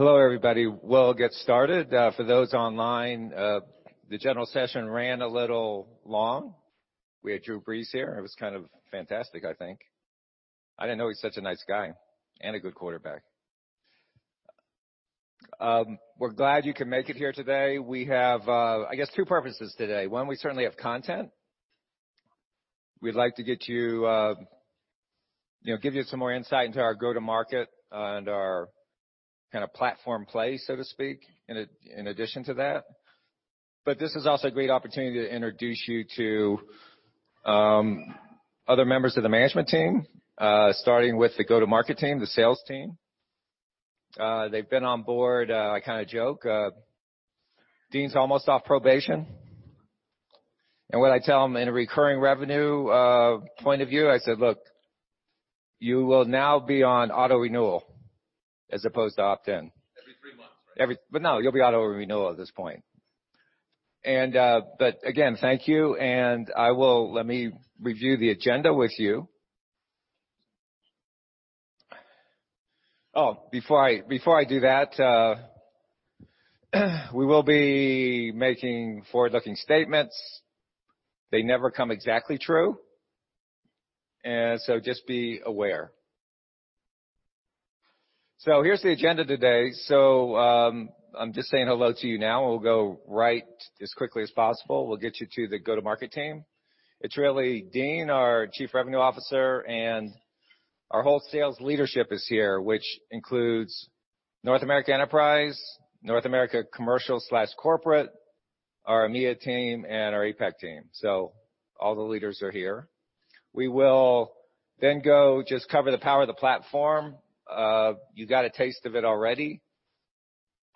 Hello, everybody. We'll get started. For those online, the general session ran a little long. We had Drew Brees here, it was kind of fantastic, I think. I didn't know he's such a nice guy and a good quarterback. We're glad you could make it here today. We have, I guess, two purposes today. One, we certainly have content. We'd like to give you some more insight into our go-to market and our kind of platform play, so to speak, in addition to that. This is also a great opportunity to introduce you to other members of the management team, starting with the go-to market team, the sales team. They've been on board. I kind of joke, Dean's almost off probation. What I tell him in a recurring revenue point of view, I said, "Look, you will now be on auto-renewal as opposed to opt-in. Every three months, right? No, you'll be auto-renewal at this point. Again, thank you, and let me review the agenda with you. Oh, before I do that, we will be making forward-looking statements. They never come exactly true, just be aware. Here's the agenda today. I'm just saying hello to you now, and we'll go right as quickly as possible. We'll get you to the go-to market team. It's really Dean, our Chief Revenue Officer, and our whole sales leadership is here, which includes North America Enterprise, North America Commercial/Corporate, our EMEA team, and our APAC team. All the leaders are here. We will go just cover the power of the platform. You got a taste of it already.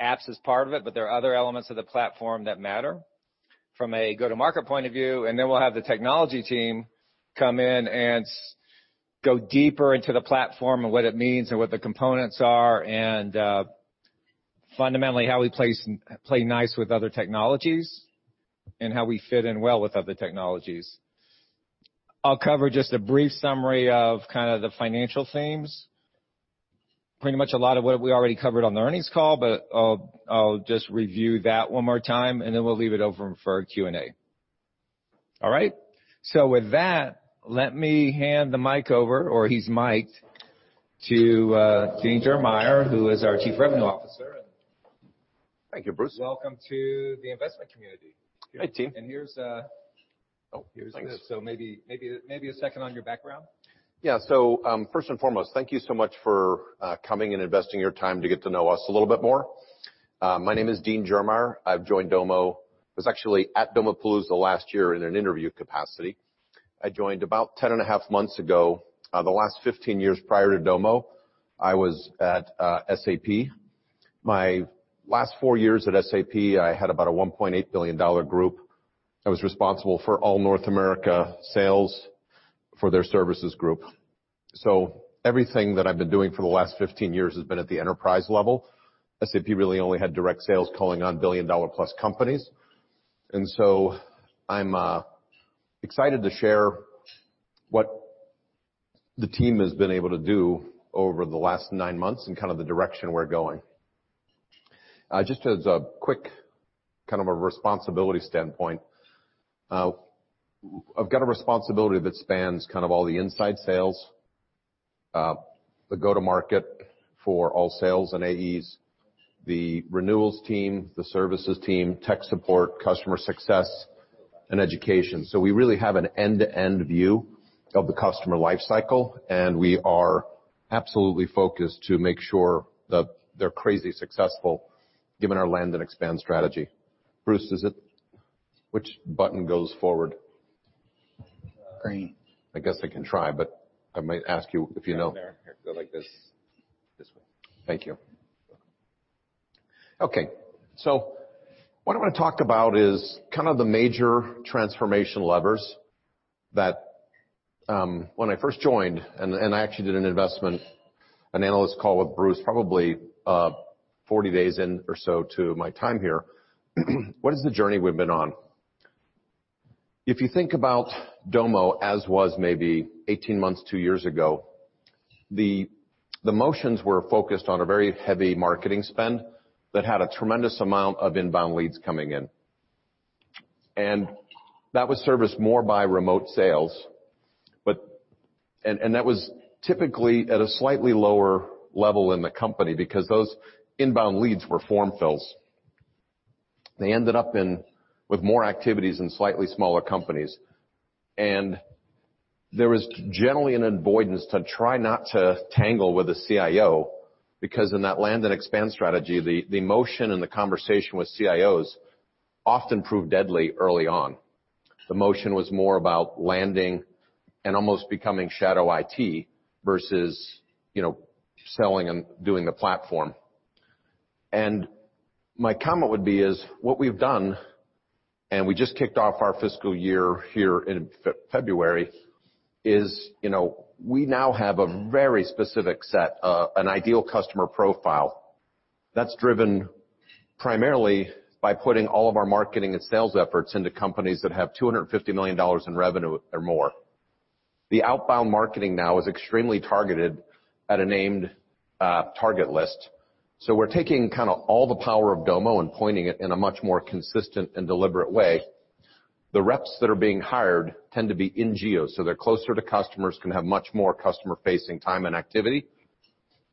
Apps is part of it, there are other elements of the platform that matter from a go-to market point of view. We'll have the technology team come in and go deeper into the platform and what it means and what the components are, fundamentally how we play nice with other technologies, and how we fit in well with other technologies. I'll cover just a brief summary of kind of the financial themes. Pretty much a lot of what we already covered on the earnings call, I'll just review that one more time, we'll leave it over for Q&A. All right? With that, let me hand the mic over, or he's mic-ed, to Dean Germeyer, who is our Chief Revenue Officer. Thank you, Bruce. Welcome to the investment community. Hey, team. And here's- Oh, thanks Here's this. Maybe a second on your background. Yeah. First and foremost, thank you so much for coming and investing your time to get to know us a little bit more. My name is Dean Germeyer. I've joined Domo I was actually at Domopalooza last year in an interview capacity. I joined about 10 and a half months ago. The last 15 years prior to Domo, I was at SAP. My last four years at SAP, I had about a $1.8 billion group that was responsible for all North America sales for their services group. Everything that I've been doing for the last 15 years has been at the enterprise level. SAP really only had direct sales calling on billion-dollar-plus companies. I'm excited to share what the team has been able to do over the last nine months and kind of the direction we're going. Just as a quick kind of a responsibility standpoint, I've got a responsibility that spans kind of all the inside sales, the go-to market for all sales and AEs, the renewals team, the services team, tech support, customer success, and education. We really have an end-to-end view of the customer life cycle, and we are absolutely focused to make sure that they're crazy successful given our land and expand strategy. Bruce, which button goes forward? Green. I guess I can try, but I might ask you if you know. Right there. Here, go like this. This way. Thank you. Welcome. What I want to talk about is kind of the major transformation levers that when I first joined, and I actually did an investment, an analyst call with Bruce, probably 40 days in or so to my time here, what is the journey we've been on? If you think about Domo as was maybe 18 months, two years ago, the motions were focused on a very heavy marketing spend that had a tremendous amount of inbound leads coming in. That was serviced more by remote sales. That was typically at a slightly lower level in the company because those inbound leads were form fills. They ended up in with more activities in slightly smaller companies. There was generally an avoidance to try not to tangle with a CIO, because in that land and expand strategy, the motion and the conversation with CIOs often proved deadly early on. The motion was more about landing and almost becoming shadow IT versus selling and doing a platform. My comment would be is what we've done, and we just kicked off our fiscal year here in February, is we now have a very specific set, an ideal customer profile that's driven primarily by putting all of our marketing and sales efforts into companies that have $250 million in revenue or more. The outbound marketing now is extremely targeted at a named target list. We're taking all the power of Domo and pointing it in a much more consistent and deliberate way. The reps that are being hired tend to be in geo, so they're closer to customers, can have much more customer-facing time and activity.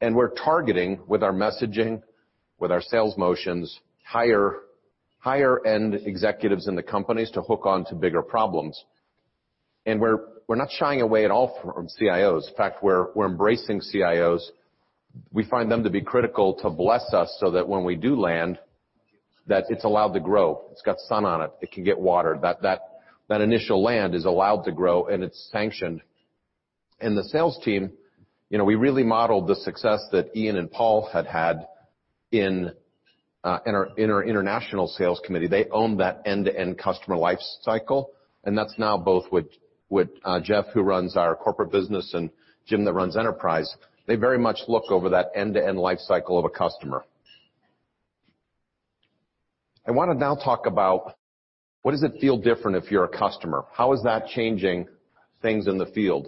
We're targeting with our messaging, with our sales motions, higher-end executives in the companies to hook onto bigger problems. We're not shying away at all from CIOs. In fact, we're embracing CIOs. We find them to be critical to bless us so that when we do land, that it's allowed to grow. It's got sun on it. It can get water. That initial land is allowed to grow, and it's sanctioned. The sales team, we really modeled the success that Ian and Paul had had in our international sales committee. They owned that end-to-end customer life cycle, and that's now both with Jeff, who runs our corporate business, and Jim that runs enterprise. They very much look over that end-to-end life cycle of a customer. I want to now talk about what does it feel different if you're a customer? How is that changing things in the field?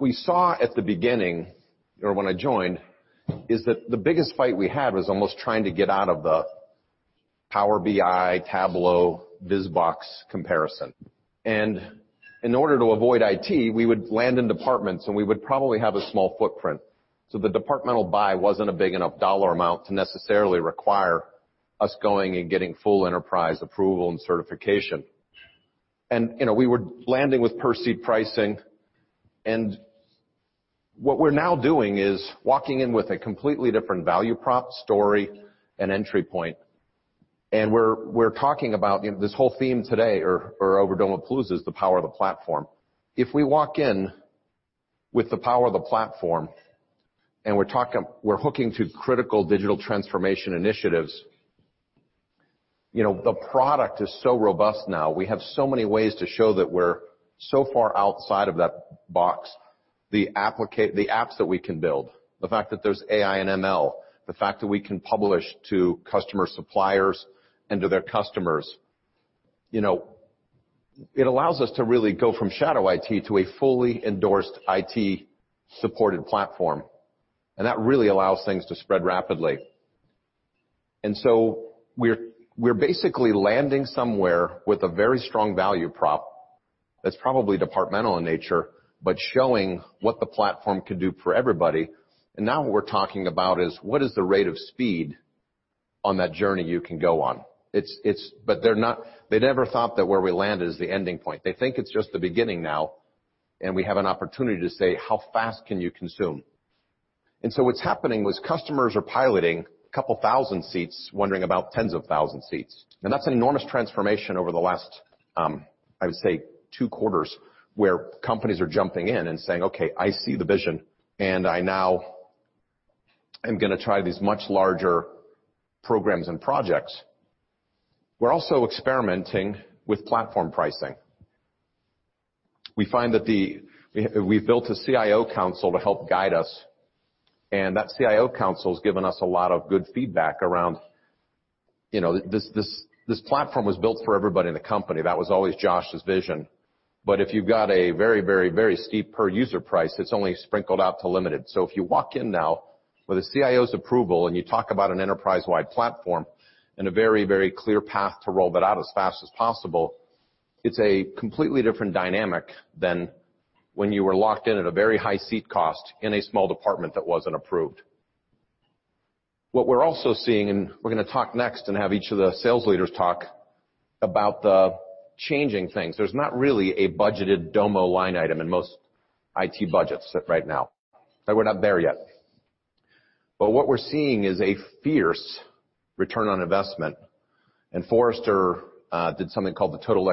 We saw at the beginning, or when I joined, is that the biggest fight we had was almost trying to get out of the Power BI, Tableau, Viz Box comparison. In order to avoid IT, we would land in departments, and we would probably have a small footprint. The departmental buy wasn't a big enough dollar amount to necessarily require us going and getting full enterprise approval and certification. We were landing with per-seat pricing, and what we're now doing is walking in with a completely different value prop story and entry point. We're talking about this whole theme today or over Domopalooza is the power of the platform. If we walk in with the power of the platform and we're hooking to critical digital transformation initiatives, the product is so robust now. We have so many ways to show that we're so far outside of that box. The apps that we can build, the fact that there's AI and ML, the fact that we can publish to customer suppliers and to their customers. It allows us to really go from shadow IT to a fully endorsed IT-supported platform, and that really allows things to spread rapidly. We're basically landing somewhere with a very strong value prop that's probably departmental in nature, but showing what the platform could do for everybody. Now what we're talking about is what is the rate of speed on that journey you can go on? They never thought that where we landed is the ending point. They think it's just the beginning now, we have an opportunity to say, "How fast can you consume?" What's happening is customers are piloting a couple of thousand seats, wondering about tens of thousand seats. That's an enormous transformation over the last, I would say, two quarters, where companies are jumping in and saying, "Okay, I see the vision, I now am going to try these much larger programs and projects." We're also experimenting with platform pricing. We've built a CIO council to help guide us, that CIO council's given us a lot of good feedback around this platform was built for everybody in the company. That was always Josh's vision. If you've got a very steep per-user price that's only sprinkled out to limited. If you walk in now with a CIO's approval and you talk about an enterprise-wide platform and a very clear path to roll that out as fast as possible, it's a completely different dynamic than when you were locked in at a very high seat cost in a small department that wasn't approved. What we're also seeing, and we're going to talk next and have each of the sales leaders talk about the changing things. There's not really a budgeted Domo line item in most IT budgets right now. We're not there yet. What we're seeing is a fierce return on investment. Forrester did something called the Total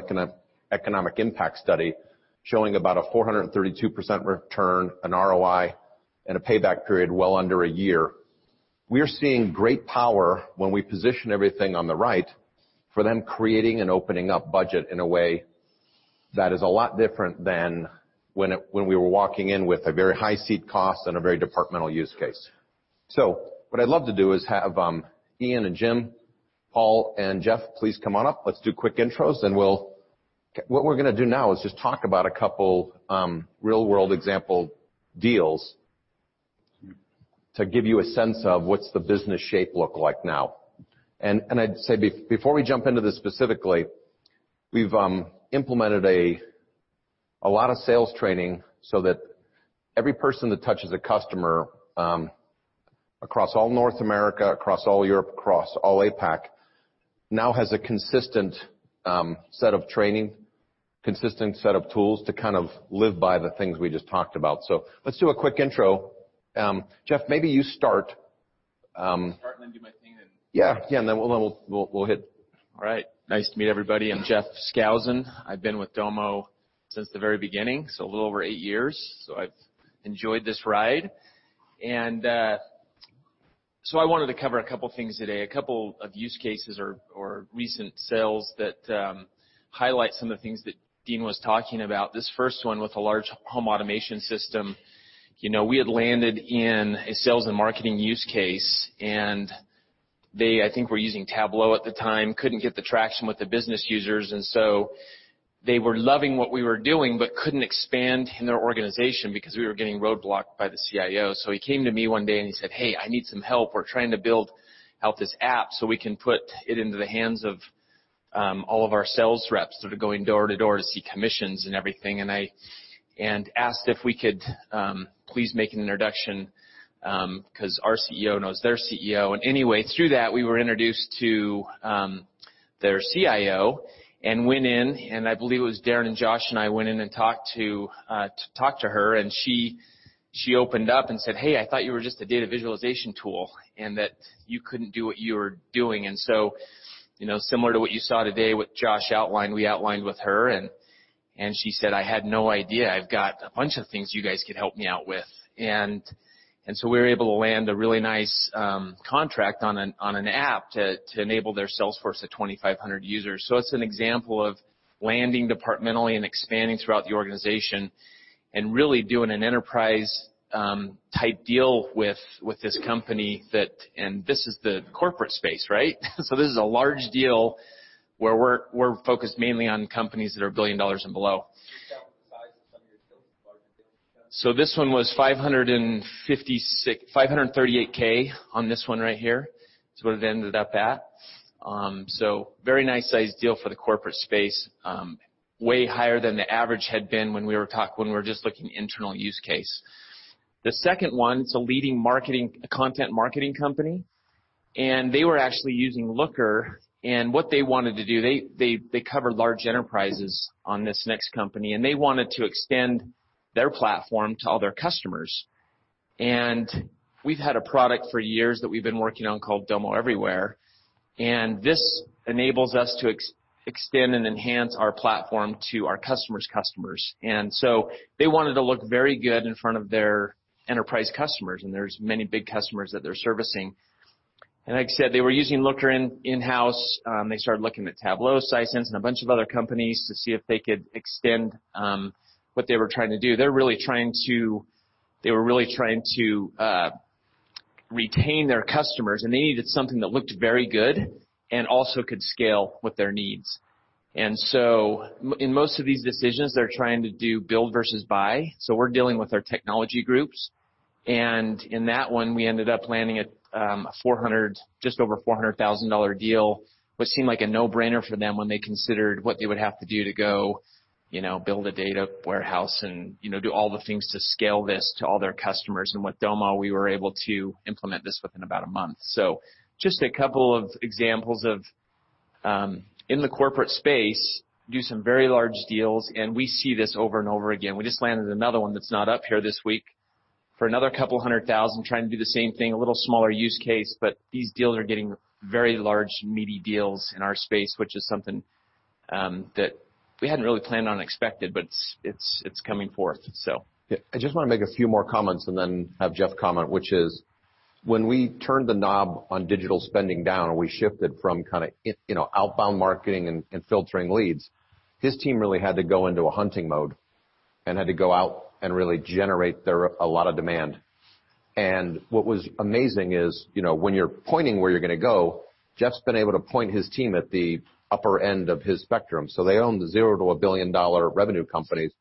Economic Impact study, showing about a 432% return, an ROI, and a payback period well under a year. We are seeing great power when we position everything on the right for them creating and opening up budget in a way that is a lot different than when we were walking in with a very high seat cost and a very departmental use case. What I'd love to do is have Ian and Jim, Paul and Jeff, please come on up. Let's do quick intros. What we're going to do now is just talk about a couple real-world example deals to give you a sense of what's the business shape look like now. I'd say, before we jump into this specifically, we've implemented a lot of sales training so that every person that touches a customer across all North America, across all Europe, across all APAC, now has a consistent set of training, consistent set of tools to live by the things we just talked about. Let's do a quick intro. Jeff, maybe you start. Start and then do my thing. Yeah. Then we'll hit. All right. Nice to meet everybody. I'm Jeff Skousen. I've been with Domo since the very beginning, so a little over eight years. I've enjoyed this ride. I wanted to cover a couple of things today, a couple of use cases or recent sales that highlight some of the things that Dean was talking about. This first one with a large home automation system. We had landed in a sales and marketing use case and They, I think, were using Tableau at the time, couldn't get the traction with the business users. They were loving what we were doing, but couldn't expand in their organization because we were getting roadblocked by the CIO. He came to me one day and he said, "Hey, I need some help. We're trying to build out this app so we can put it into the hands of all of our sales reps that are going door to door to see commissions and everything." Asked if we could please make an introduction, because our CEO knows their CEO. Anyway, through that, we were introduced to their CIO and went in, and I believe it was Daren and Josh and I went in and talked to her, and she opened up and said, "Hey, I thought you were just a data visualization tool, and that you couldn't do what you were doing." Similar to what you saw today what Josh outlined, we outlined with her, and she said, "I had no idea. I've got a bunch of things you guys could help me out with." We were able to land a really nice contract on an app to enable their salesforce of 2,500 users. It's an example of landing departmentally and expanding throughout the organization and really doing an enterprise-type deal with this company, and this is the corporate space, right? This is a large deal where we're focused mainly on companies that are $1 billion and below. Can you share the size of some of your deals, the larger deals you've done? This one was $538,000 on this one right here. It's what it ended up at. Very nice-sized deal for the corporate space. Way higher than the average had been when we were just looking internal use case. The second one, it's a leading content marketing company. They were actually using Looker, what they wanted to do, they cover large enterprises on this next company, they wanted to extend their platform to all their customers. We've had a product for years that we've been working on called Domo Everywhere. This enables us to extend and enhance our platform to our customer's customers. They wanted to look very good in front of their enterprise customers, there's many big customers that they're servicing. Like I said, they were using Looker in-house. They started looking at Tableau, Sisense, a bunch of other companies to see if they could extend what they were trying to do. They were really trying to retain their customers, they needed something that looked very good and also could scale with their needs. In most of these decisions, they're trying to do build versus buy. We're dealing with our technology groups. In that one, we ended up landing a just over $400,000 deal, what seemed like a no-brainer for them when they considered what they would have to do to go build a data warehouse and do all the things to scale this to all their customers. With Domo, we were able to implement this within about a month. just a couple of examples of, in the corporate space, do some very large deals, and we see this over and over again. We just landed another one that's not up here this week for another $200,000, trying to do the same thing. A little smaller use case, but these deals are getting very large, meaty deals in our space, which is something that we hadn't really planned on expected, but it's coming forth. I just want to make a few more comments and then have Jeff comment, which is, when we turned the knob on digital spending down, and we shifted from outbound marketing and filtering leads, his team really had to go into a hunting mode and had to go out and really generate a lot of demand. What was amazing is, when you're pointing where you're going to go, Jeff's been able to point his team at the upper end of his spectrum. They own the zero to a billion-dollar revenue companies,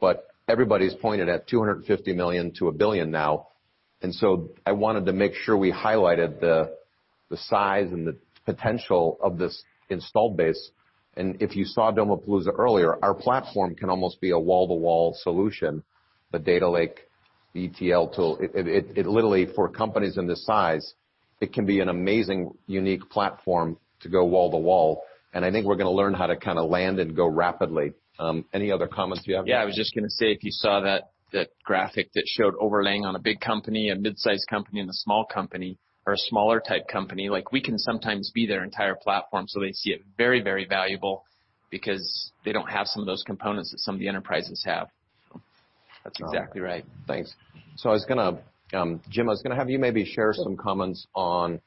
but everybody's pointed at $250 million to $1 billion now. I wanted to make sure we highlighted the size and the potential of this installed base. If you saw Domopalooza earlier, our platform can almost be a wall-to-wall solution, the data lake ETL tool. It literally, for companies in this size, it can be an amazing, unique platform to go wall to wall, and I think we're going to learn how to land and go rapidly. Any other comments you have, Jeff? I was just going to say, if you saw that graphic that showed overlaying on a big company, a mid-size company, and a small company, or a smaller type company, we can sometimes be their entire platform. They see it very valuable because they don't have some of those components that some of the enterprises have. That's awesome. That's exactly right. Thanks. Jim, I was going to have you maybe share some comments on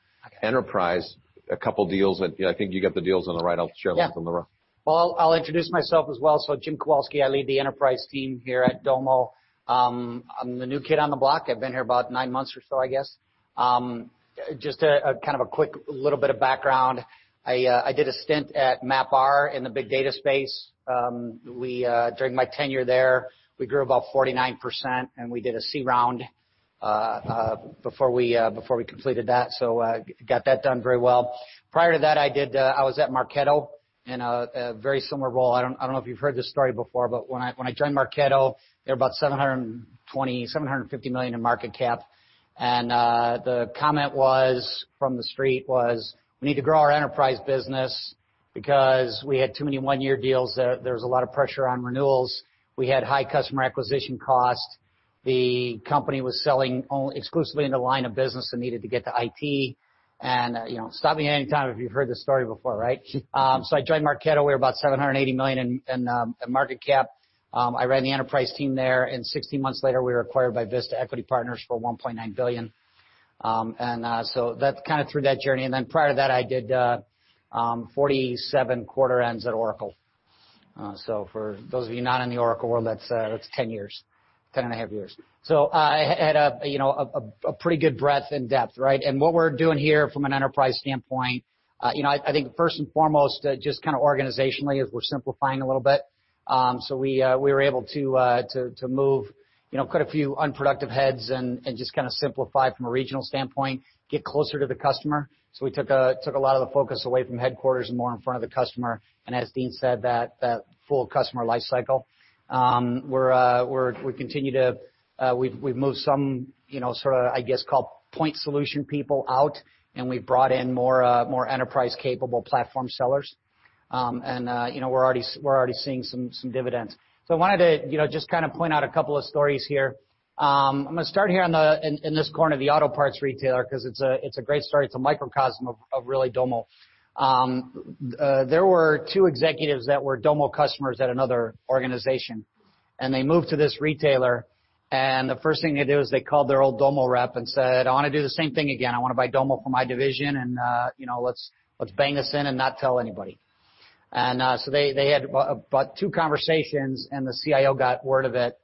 enterprise, a couple deals. I think you got the deals on the right. I'll share mines on the right. Yeah. Well, I'll introduce myself as well. Jim Kowalski, I lead the enterprise team here at Domo. I'm the new kid on the block. I've been here about nine months or so I guess. Just a kind of a quick little bit of background. I did a stint at MapR in the big data space. During my tenure there, we grew about 49%, and we did a C round before we completed that. Got that done very well. Prior to that, I was at Marketo in a very similar role. I don't know if you've heard this story before, but when I joined Marketo, they were about $750 million in market cap. The comment from the street was, "We need to grow our enterprise business," because we had too many one-year deals. There was a lot of pressure on renewals. We had high customer acquisition cost. The company was selling exclusively in the line of business and needed to get to IT. Stop me any time if you've heard this story before, right? I joined Marketo. We were about $780 million in market cap. I ran the enterprise team there, and 16 months later, we were acquired by Vista Equity Partners for $1.9 billion. That kind of threw that journey. Prior to that, I did 47 quarter ends at Oracle. For those of you not in the Oracle world, that's 10.5 years. I had a pretty good breadth and depth, right? What we're doing here from an enterprise standpoint, I think first and foremost, just organizationally, is we're simplifying a little bit. We were able to move quite a few unproductive heads and just simplify from a regional standpoint, get closer to the customer. We took a lot of the focus away from headquarters and more in front of the customer. As Dean said, that full customer life cycle. We've moved some sort of, I guess, call point solution people out, and we've brought in more enterprise-capable platform sellers. We're already seeing some dividends. I wanted to just point out a couple of stories here. I'm going to start here in this corner, the auto parts retailer, because it's a great story. It's a microcosm of really Domo. There were two executives that were Domo customers at another organization, and they moved to this retailer, and the first thing they did was they called their old Domo rep and said, "I want to do the same thing again. I want to buy Domo for my division, and let's bang this in and not tell anybody." They had about two conversations, the CIO got word of it,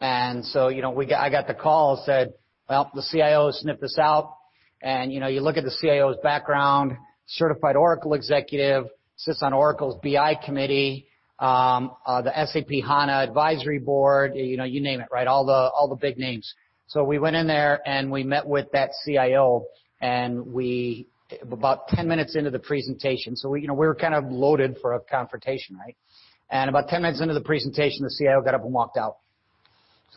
I got the call, said, "Well, the CIO sniffed this out." You look at the CIO's background, certified Oracle executive, sits on Oracle's BI committee, the SAP HANA advisory board, you name it, right? All the big names. We went in there, we met with that CIO, and about 10 minutes into the presentation. We were kind of loaded for a confrontation, right? About 10 minutes into the presentation, the CIO got up and walked out.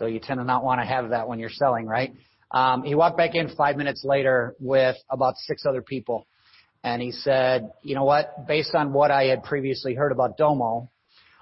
You tend to not want to have that when you're selling, right? He walked back in five minutes later with about six other people, and he said, "You know what? Based on what I had previously heard about Domo,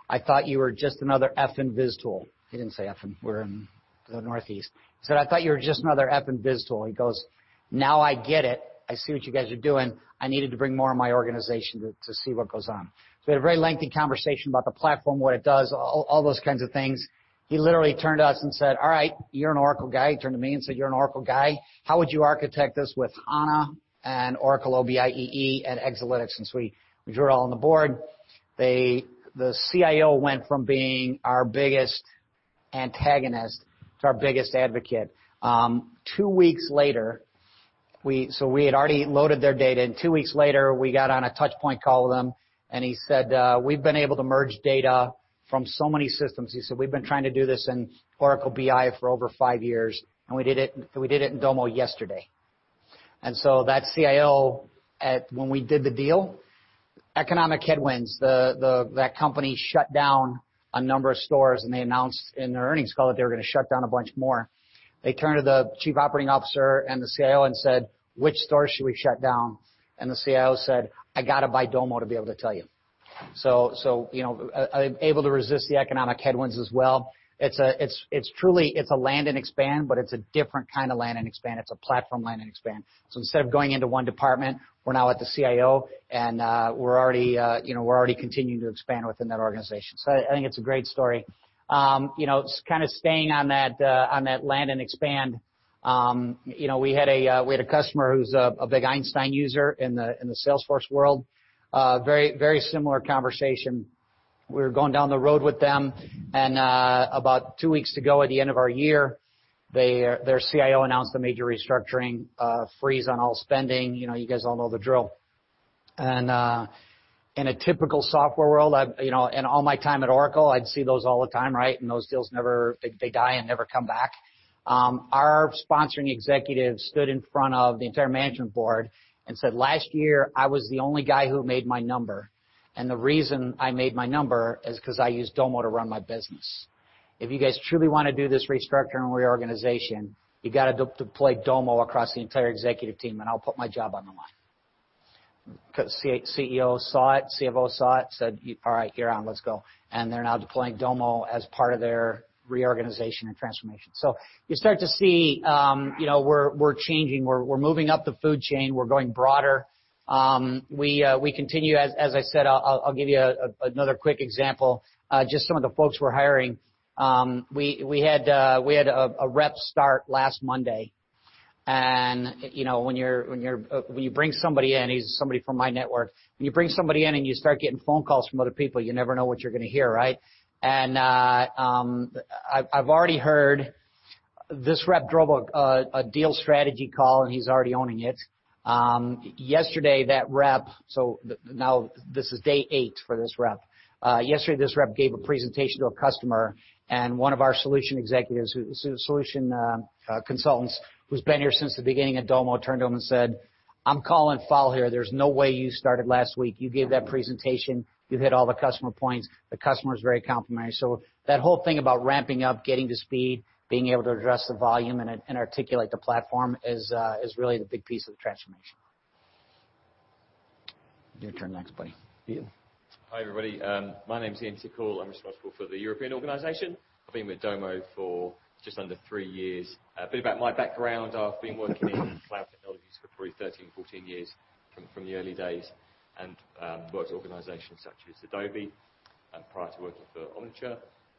I thought you were just another effing viz tool." He didn't say effing. We're in the Northeast. He said, "I thought you were just another effing viz tool." He goes, "Now I get it. I see what you guys are doing. I needed to bring more of my organization to see what goes on." We had a very lengthy conversation about the platform, what it does, all those kinds of things. He literally turned to us and said, "All right, you're an Oracle guy." He turned to me and said, "You're an Oracle guy. How would you architect this with HANA and Oracle OBIEE and Exalytics?" We drew it all on the board. The CIO went from being our biggest antagonist to our biggest advocate. We had already loaded their data. Two weeks later, we got on a touchpoint call with him, and he said, "We've been able to merge data from so many systems." He said, "We've been trying to do this in Oracle BI for over five years, and we did it in Domo yesterday." That CIO, when we did the deal, economic headwinds, that company shut down a number of stores, and they announced in their earnings call that they were going to shut down a bunch more. They turned to the chief operating officer and the CIO and said, "Which stores should we shut down?" The CIO said, "I got to buy Domo to be able to tell you." Able to resist the economic headwinds as well. It's a land and expand, but it's a different kind of land and expand. It's a platform land and expand. Instead of going into one department, we're now at the CIO, and we're already continuing to expand within that organization. I think it's a great story. Kind of staying on that land and expand. We had a customer who's a big Einstein user in the Salesforce world. Very similar conversation. We were going down the road with them, and about two weeks to go at the end of our year, their CIO announced a major restructuring, freeze on all spending. You guys all know the drill. In a typical software world, in all my time at Oracle, I'd see those all the time, right? Those deals, they die and never come back. Our sponsoring executive stood in front of the entire management board and said, "Last year, I was the only guy who made my number. The reason I made my number is because I use Domo to run my business. If you guys truly want to do this restructuring and reorganization, you got to deploy Domo across the entire executive team, and I'll put my job on the line." CEO saw it, CFO saw it, said, "All right. You're on. Let's go." They're now deploying Domo as part of their reorganization and transformation. You start to see, we're changing. We're moving up the food chain. We're going broader. We continue, as I said, I'll give you another quick example. Just some of the folks we're hiring. We had a rep start last Monday. When you bring somebody in, he's somebody from my network. When you bring somebody in and you start getting phone calls from other people, you never know what you're going to hear, right? I've already heard this rep drove a deal strategy call, and he's already owning it. Yesterday, that rep, now this is day eight for this rep. Yesterday, this rep gave a presentation to a customer, and one of our solution executives, solution consultants, who's been here since the beginning of Domo, turned to him and said, "I'm calling foul here. There's no way you started last week. You gave that presentation. You hit all the customer points. The customer's very complimentary." That whole thing about ramping up, getting to speed, being able to address the volume and articulate the platform is really the big piece of the transformation. Your turn next, buddy. Hi, everybody. My name's Ian Tickle. I'm responsible for the European organization. I've been with Domo for just under three years. A bit about my background. I've been working in cloud technologies for probably 13, 14 years, from the early days, and worked organizations such as Adobe, prior to working for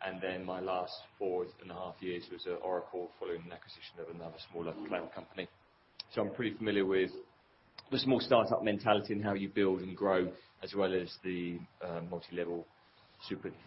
Omniture. My last four and a half years was at Oracle following an acquisition of another smaller cloud company. I'm pretty familiar with the small startup mentality and how you build and grow, as well as the multilevel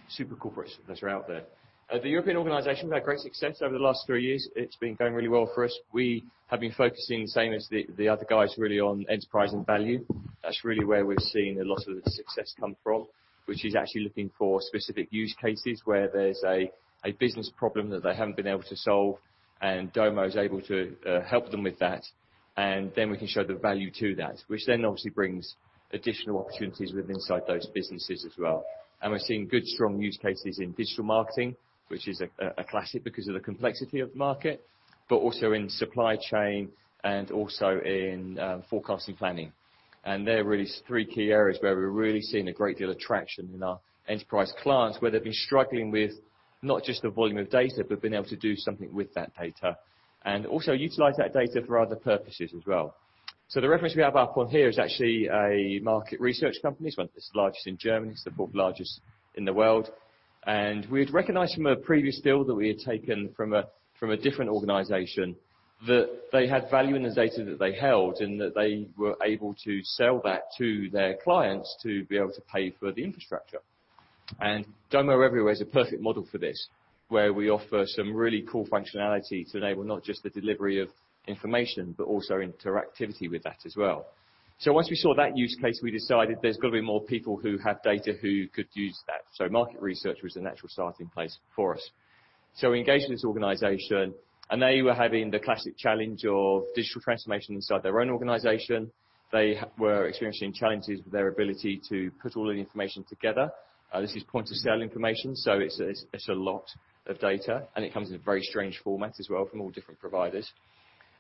super corporates that are out there. The European organization had great success over the last three years. It's been going really well for us. We have been focusing, same as the other guys, really, on enterprise and value. That's really where we've seen a lot of the success come from, which is actually looking for specific use cases where there's a business problem that they haven't been able to solve, and Domo is able to help them with that. Then we can show the value to that, which then obviously brings additional opportunities with inside those businesses as well. We're seeing good strong use cases in digital marketing, which is a classic because of the complexity of the market. Also in supply chain and also in forecasting planning. They're really three key areas where we're really seeing a great deal of traction in our enterprise clients, where they've been struggling with not just the volume of data, but being able to do something with that data, and also utilize that data for other purposes as well. The reference we have up on here is actually a market research company. It's one of the largest in Germany. It's the fourth largest in the world. We had recognized from a previous deal that we had taken from a different organization, that they had value in the data that they held, and that they were able to sell that to their clients to be able to pay for the infrastructure. Domo Everywhere is a perfect model for this, where we offer some really cool functionality to enable not just the delivery of information, but also interactivity with that as well. Once we saw that use case, we decided there's got to be more people who have data who could use that. Market research was the natural starting place for us. We engaged with this organization, and they were having the classic challenge of digital transformation inside their own organization. They were experiencing challenges with their ability to put all the information together. This is point-of-sale information, so it's a lot of data, and it comes in a very strange format as well from all different providers.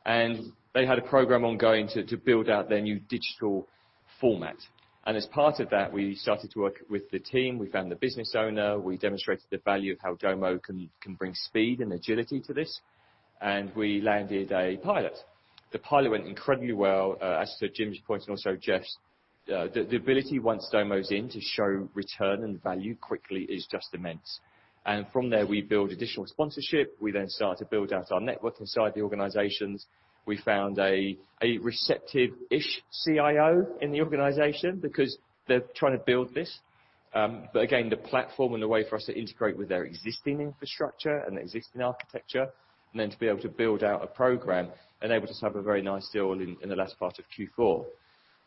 They had a program ongoing to build out their new digital format. As part of that, we started to work with the team. We found the business owner. We demonstrated the value of how Domo can bring speed and agility to this. We landed a pilot. The pilot went incredibly well. As to Jim's point and also Jeff's, the ability once Domo's in to show return and value quickly is just immense. From there we build additional sponsorship. We then start to build out our network inside the organizations. We found a receptive-ish CIO in the organization because they're trying to build this. Again, the platform and the way for us to integrate with their existing infrastructure and existing architecture, and then to be able to build out a program enabled us to have a very nice deal in the last part of Q4.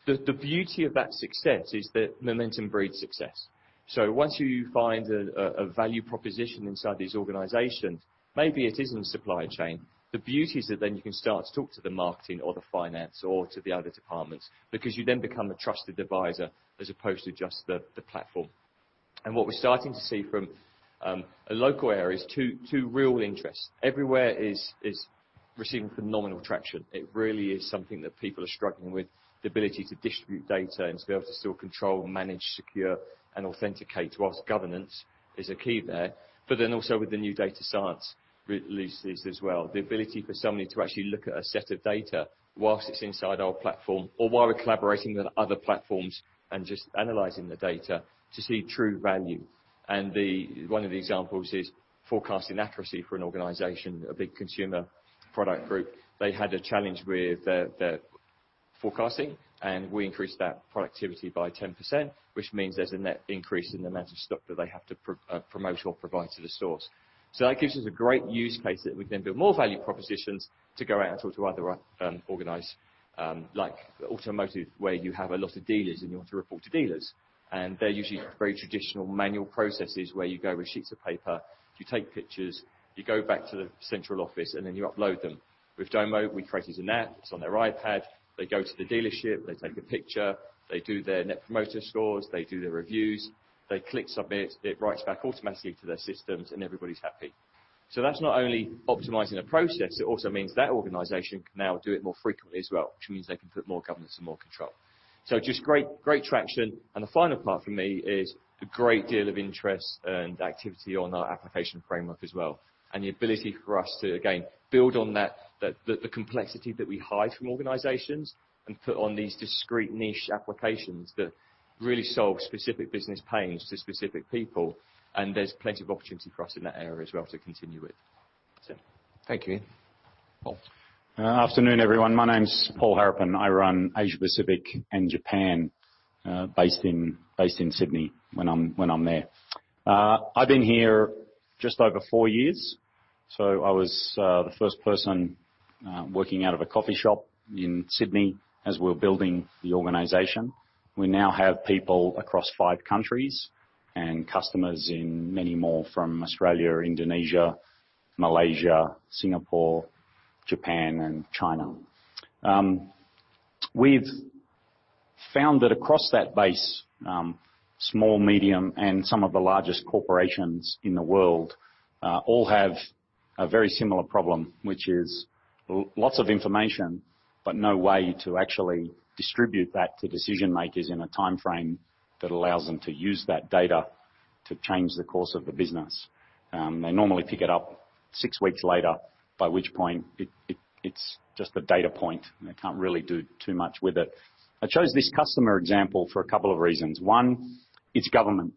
The beauty of that success is that momentum breeds success. Once you find a value proposition inside these organizations, maybe it is in the supply chain. The beauty is that then you can start to talk to the marketing or the finance or to the other departments because you then become a trusted advisor as opposed to just the platform. What we're starting to see from a local area is two real interests. Domo Everywhere is receiving phenomenal traction. It really is something that people are struggling with, the ability to distribute data and to be able to still control, manage, secure, and authenticate, whilst governance is a key there. Also with the new data science releases as well. The ability for somebody to actually look at a set of data whilst it's inside our platform or while we're collaborating with other platforms and just analyzing the data to see true value. One of the examples is forecasting accuracy for an organization, a big consumer product group. They had a challenge with their forecasting, and we increased that productivity by 10%, which means there's a net increase in the amount of stock that they have to promote or provide to the source. That gives us a great use case that we can build more value propositions to go out and talk to other organizations. Like automotive, where you have a lot of dealers and you want to report to dealers. They're usually very traditional manual processes where you go with sheets of paper, you take pictures, you go back to the central office, and then you upload them. With Domo, we created an app. It's on their iPad. They go to the dealership. They take a picture. They do their net promoter scores. They do their reviews. They click submit. It writes back automatically to their systems, and everybody's happy. That's not only optimizing a process, it also means that organization can now do it more frequently as well, which means they can put more governance and more control. Just great traction. The final part for me is the great deal of interest and activity on our application framework as well. The ability for us to, again, build on the complexity that we hide from organizations and put on these discreet niche applications that really solve specific business pains to specific people. There's plenty of opportunity for us in that area as well to continue with. That's it. Thank you. Paul. Afternoon, everyone. My name's Paul Harapin. I run Asia Pacific and Japan, based in Sydney when I'm there. I've been here just over four years. I was the first person working out of a coffee shop in Sydney as we were building the organization. We now have people across five countries and customers in many more from Australia, Indonesia, Malaysia, Singapore, Japan, and China. We've found that across that base, small, medium, and some of the largest corporations in the world, all have a very similar problem, which is lots of information but no way to actually distribute that to decision makers in a timeframe that allows them to use that data to change the course of the business. They normally pick it up six weeks later, by which point it's just a data point and they can't really do too much with it. I chose this customer example for a couple of reasons. One, it's government.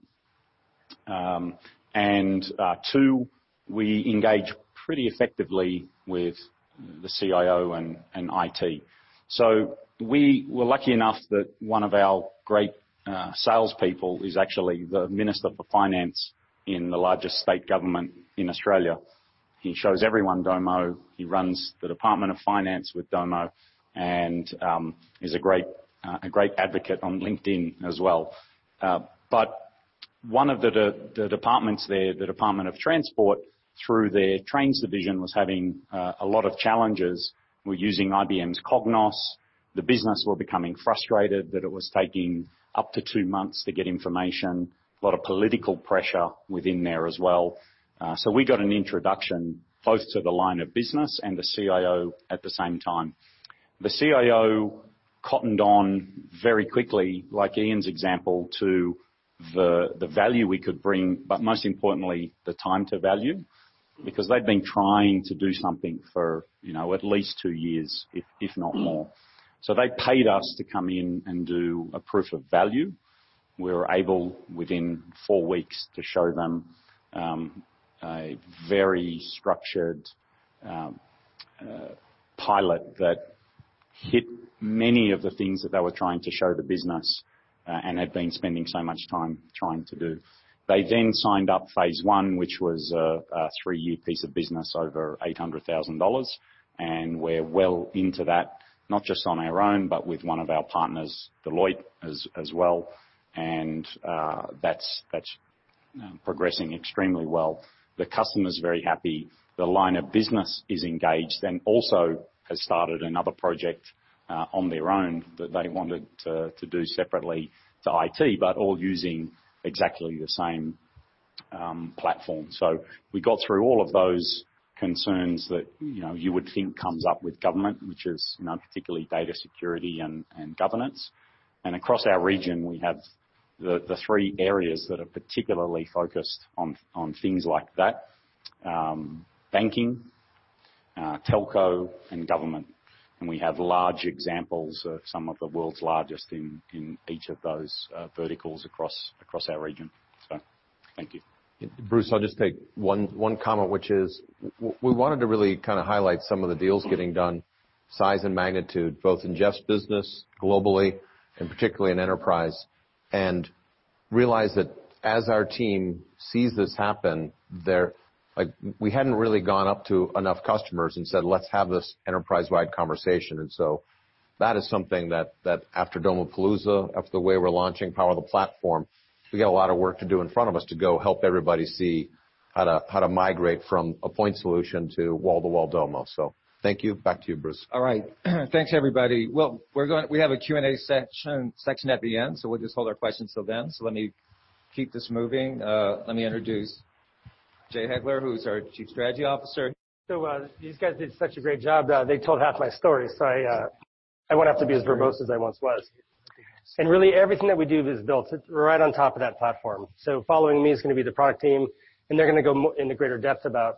Two, we engage pretty effectively with the CIO and IT. We were lucky enough that one of our great salespeople is actually the Minister for Finance in the largest state government in Australia. He shows everyone Domo. He runs the Department of Finance with Domo and is a great advocate on LinkedIn as well. One of the departments there, the Department of Transport, through their trains division, was having a lot of challenges. Were using IBM's Cognos. The business was becoming frustrated that it was taking up to two months to get information. A lot of political pressure within there as well. We got an introduction both to the line of business and the CIO at the same time. The CIO cottoned on very quickly, like Ian's example, to the value we could bring, but most importantly, the time to value. They'd been trying to do something for at least two years, if not more. They paid us to come in and do a proof of value. We were able, within four weeks, to show them a very structured pilot that hit many of the things that they were trying to show the business, and had been spending so much time trying to do. They then signed up phase one, which was a three-year piece of business over $800,000. We're well into that, not just on our own, but with one of our partners, Deloitte, as well. That's progressing extremely well. The customer's very happy. The line of business is engaged, also has started another project on their own that they wanted to do separately to IT, but all using exactly the same platform. We got through all of those concerns that you would think comes up with government, which is particularly data security and governance. Across our region, we have the three areas that are particularly focused on things like that, banking, telco, and government. We have large examples of some of the world's largest in each of those verticals across our region. Thank you. Bruce, I'll just take one comment, which is, we wanted to really kind of highlight some of the deals getting done, size and magnitude, both in Jeff's business globally and particularly in enterprise. Realize that as our team sees this happen, we hadn't really gone up to enough customers and said, "Let's have this enterprise-wide conversation." That is something that after Domopalooza, after the way we're launching Power of the Platform, we got a lot of work to do in front of us to go help everybody see how to migrate from a point solution to wall-to-wall Domo. Thank you. Back to you, Bruce. All right. Thanks, everybody. We have a Q&A section at the end, we'll just hold our questions till then. Let me keep this moving. Let me introduce Jay Heglar, who's our Chief Strategy Officer. These guys did such a great job. They told half my story, I won't have to be as verbose as I once was. Really, everything that we do is built right on top of that platform. Following me is going to be the product team, they're going to go into greater depth about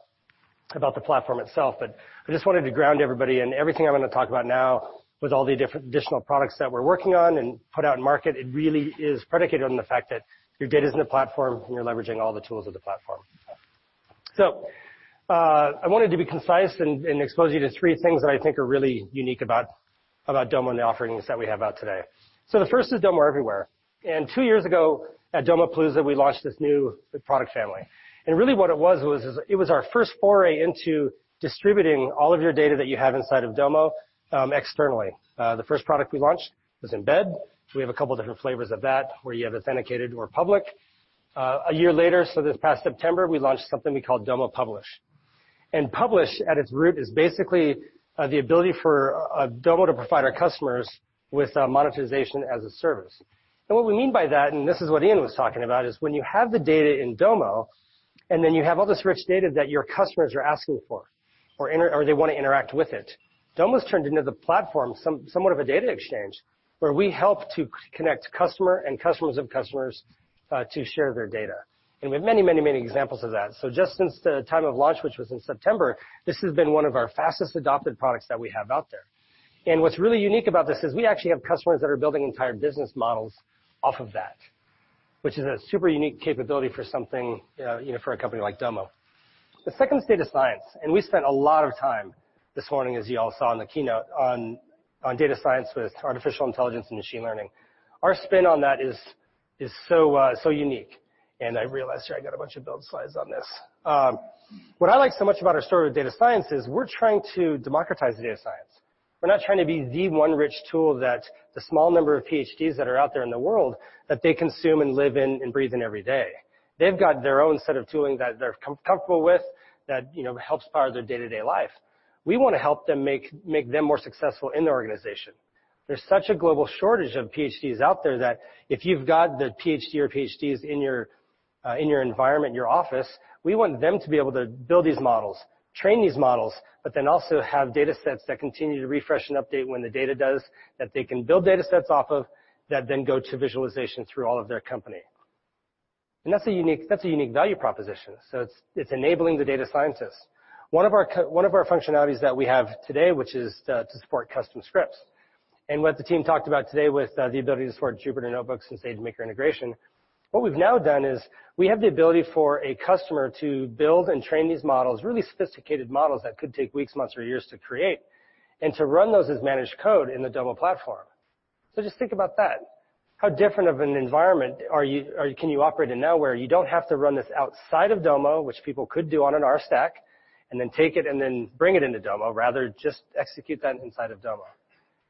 the platform itself. I just wanted to ground everybody, everything I'm going to talk about now with all the different additional products that we're working on and put out in market, it really is predicated on the fact that your data's in the platform, and you're leveraging all the tools of the platform. I wanted to be concise and expose you to three things that I think are really unique about Domo and the offerings that we have out today. The first is Domo Everywhere. Two years ago at Domopalooza, we launched this new product family. Really what it was, is it was our first foray into distributing all of your data that you have inside of Domo, externally. The first product we launched was Embed. We have a couple different flavors of that, where you have authenticated or public. A year later, this past September, we launched something we call Domo Publish. Publish, at its root, is basically the ability for Domo to provide our customers with monetization as a service. What we mean by that, and this is what Ian was talking about, is when you have the data in Domo, and then you have all this rich data that your customers are asking for or they want to interact with it, Domo's turned into the platform, somewhat of a data exchange, where we help to connect customer and customers of customers to share their data. We have many, many, many examples of that. Just since the time of launch, which was in September, this has been one of our fastest adopted products that we have out there. What's really unique about this is we actually have customers that are building entire business models off of that, which is a super unique capability for a company like Domo. The second is data science, and we spent a lot of time this morning, as you all saw in the keynote, on data science with Artificial Intelligence and Machine Learning. Our spin on that is so unique. I realize here I got a bunch of build slides on this. What I like so much about our story with data science is we're trying to democratize data science. We're not trying to be the one rich tool that the small number of PhDs that are out there in the world, that they consume and live in and breathe in every day. They've got their own set of tooling that they're comfortable with that helps power their day-to-day life. We want to help them make them more successful in their organization. There's such a global shortage of PhDs out there that if you've got the PhD or PhDs in your environment, in your office, we want them to be able to build these models, train these models, but then also have data sets that continue to refresh and update when the data does, that they can build data sets off of, that then go to visualization through all of their company. That's a unique value proposition. It's enabling the data scientists. One of our functionalities that we have today, which is to support custom scripts. What the team talked about today with the ability to support Jupyter Notebooks and SageMaker integration. What we've now done is, we have the ability for a customer to build and train these models, really sophisticated models that could take weeks, months, or years to create, and to run those as managed code in the Domo platform. Just think about that. How different of an environment can you operate in now where you don't have to run this outside of Domo, which people could do on an R stack, and then take it and then bring it into Domo, rather just execute that inside of Domo.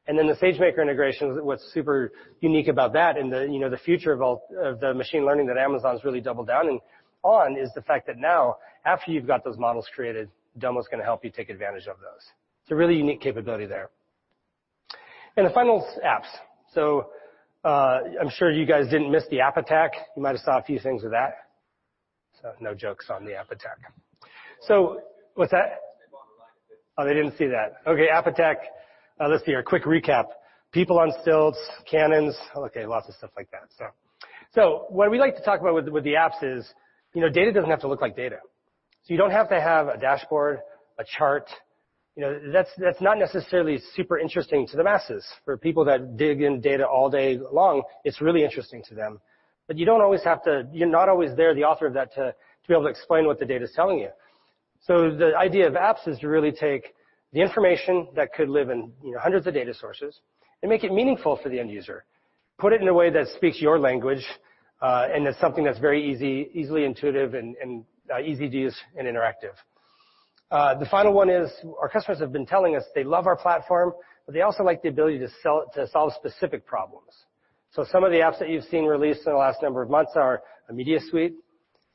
The SageMaker integration, what's super unique about that and the future of the machine learning that Amazon's really doubled down on, is the fact that now after you've got those models created, Domo's going to help you take advantage of those. It's a really unique capability there. Final, apps. I'm sure you guys didn't miss the App Attack. You might've saw a few things with that. No jokes on the App Attack. What's that? Oh, they didn't see that. Okay. App Attack. Let's see here. Quick recap. People on stilts, cannons. Okay, lots of stuff like that. What we like to talk about with the apps is, data doesn't have to look like data. You don't have to have a dashboard, a chart. That's not necessarily super interesting to the masses. For people that dig in data all day long, it's really interesting to them. You're not always there, the author of that, to be able to explain what the data's telling you. The idea of apps is to really take the information that could live in hundreds of data sources and make it meaningful for the end user. Put it in a way that speaks your language, and is something that's very easily intuitive and easy to use, and interactive. The final one, our customers have been telling us they love our platform, they also like the ability to solve specific problems. Some of the apps that you've seen released in the last number of months are a media suite,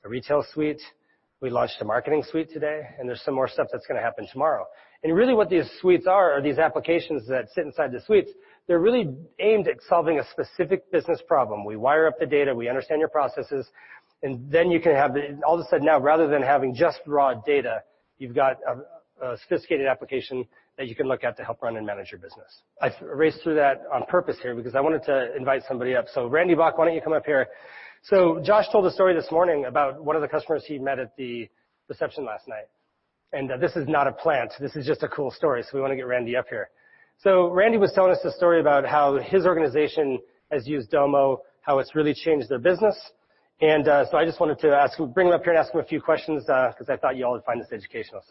a retail suite. We launched a marketing suite today. There's some more stuff that's going to happen tomorrow. Really what these suites are these applications that sit inside the suites. They're really aimed at solving a specific business problem. We wire up the data, we understand your processes. All of a sudden now, rather than having just raw data, you've got a sophisticated application that you can look at to help run and manage your business. I raced through that on purpose here because I wanted to invite somebody up. Randy Bock, why don't you come up here. Josh told a story this morning about one of the customers he'd met at the reception last night. This is not a plant, this is just a cool story. We want to get Randy up here. Randy was telling us a story about how his organization has used Domo, how it's really changed their business. I just wanted to bring him up here and ask him a few questions, because I thought you all would find this educational.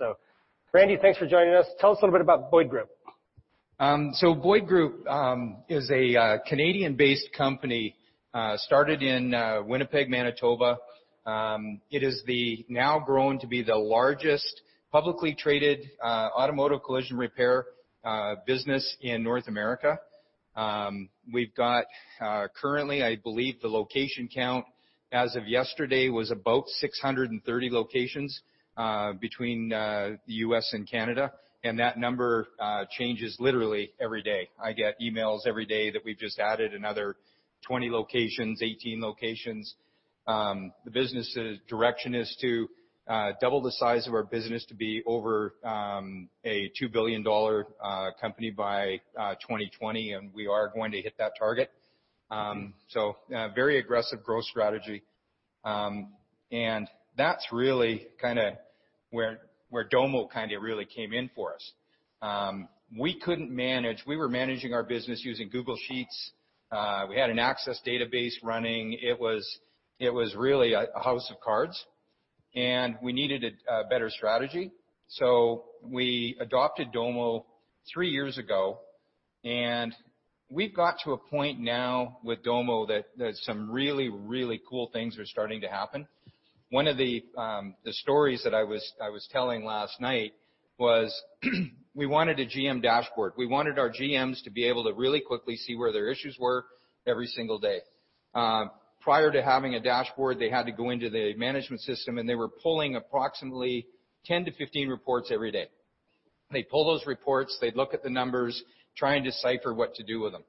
Randy, thanks for joining us. Tell us a little bit about Boyd Group. Boyd Group is a Canadian-based company, started in Winnipeg, Manitoba. It is the now grown to be the largest publicly traded automotive collision repair business in North America. We've got, currently, I believe the location count as of yesterday was about 630 locations between the U.S. and Canada. That number changes literally every day. I get emails every day that we've just added another 20 locations, 18 locations. The business' direction is to double the size of our business to be over a $2 billion company by 2020. We are going to hit that target. A very aggressive growth strategy. That's really where Domo really came in for us. We were managing our business using Google Sheets. We had an access database running. It was really a house of cards. We needed a better strategy. We adopted Domo three years ago. We've got to a point now with Domo that some really, really cool things are starting to happen. One of the stories that I was telling last night was we wanted a GM dashboard. We wanted our GMs to be able to really quickly see where their issues were every single day. Prior to having a dashboard, they had to go into the management system. They were pulling approximately 10-15 reports every day. They'd pull those reports, they'd look at the numbers, try and decipher what to do with them.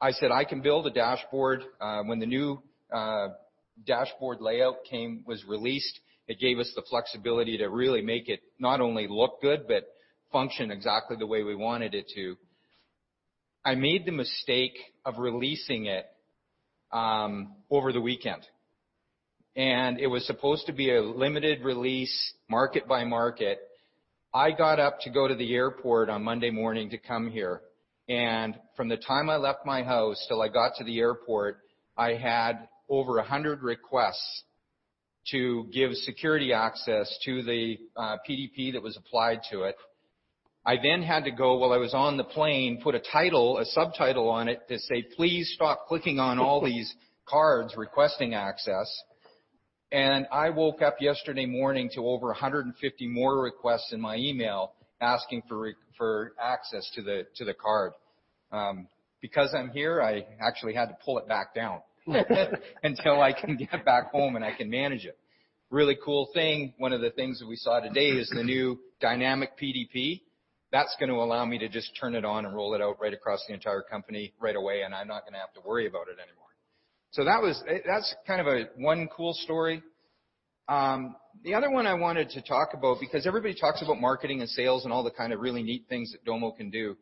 I said, "I can build a dashboard." When the new dashboard layout was released, it gave us the flexibility to really make it not only look good, but function exactly the way we wanted it to. I made the mistake of releasing it over the weekend. It was supposed to be a limited release, market by market. I got up to go to the airport on Monday morning to come here, and from the time I left my house till I got to the airport, I had over 100 requests to give security access to the PDP that was applied to it. I had to go, while I was on the plane, put a title, a subtitle on it to say, "Please stop clicking on all these cards requesting access." I woke up yesterday morning to over 150 more requests in my email asking for access to the card. Because I'm here, I actually had to pull it back down until I can get back home and I can manage it. Really cool thing, one of the things that we saw today is the new dynamic PDP. That's going to allow me to just turn it on and roll it out right across the entire company right away, and I'm not going to have to worry about it anymore. That's one cool story. The other one I wanted to talk about, because everybody talks about marketing and sales and all the kind of really neat things that Domo can do.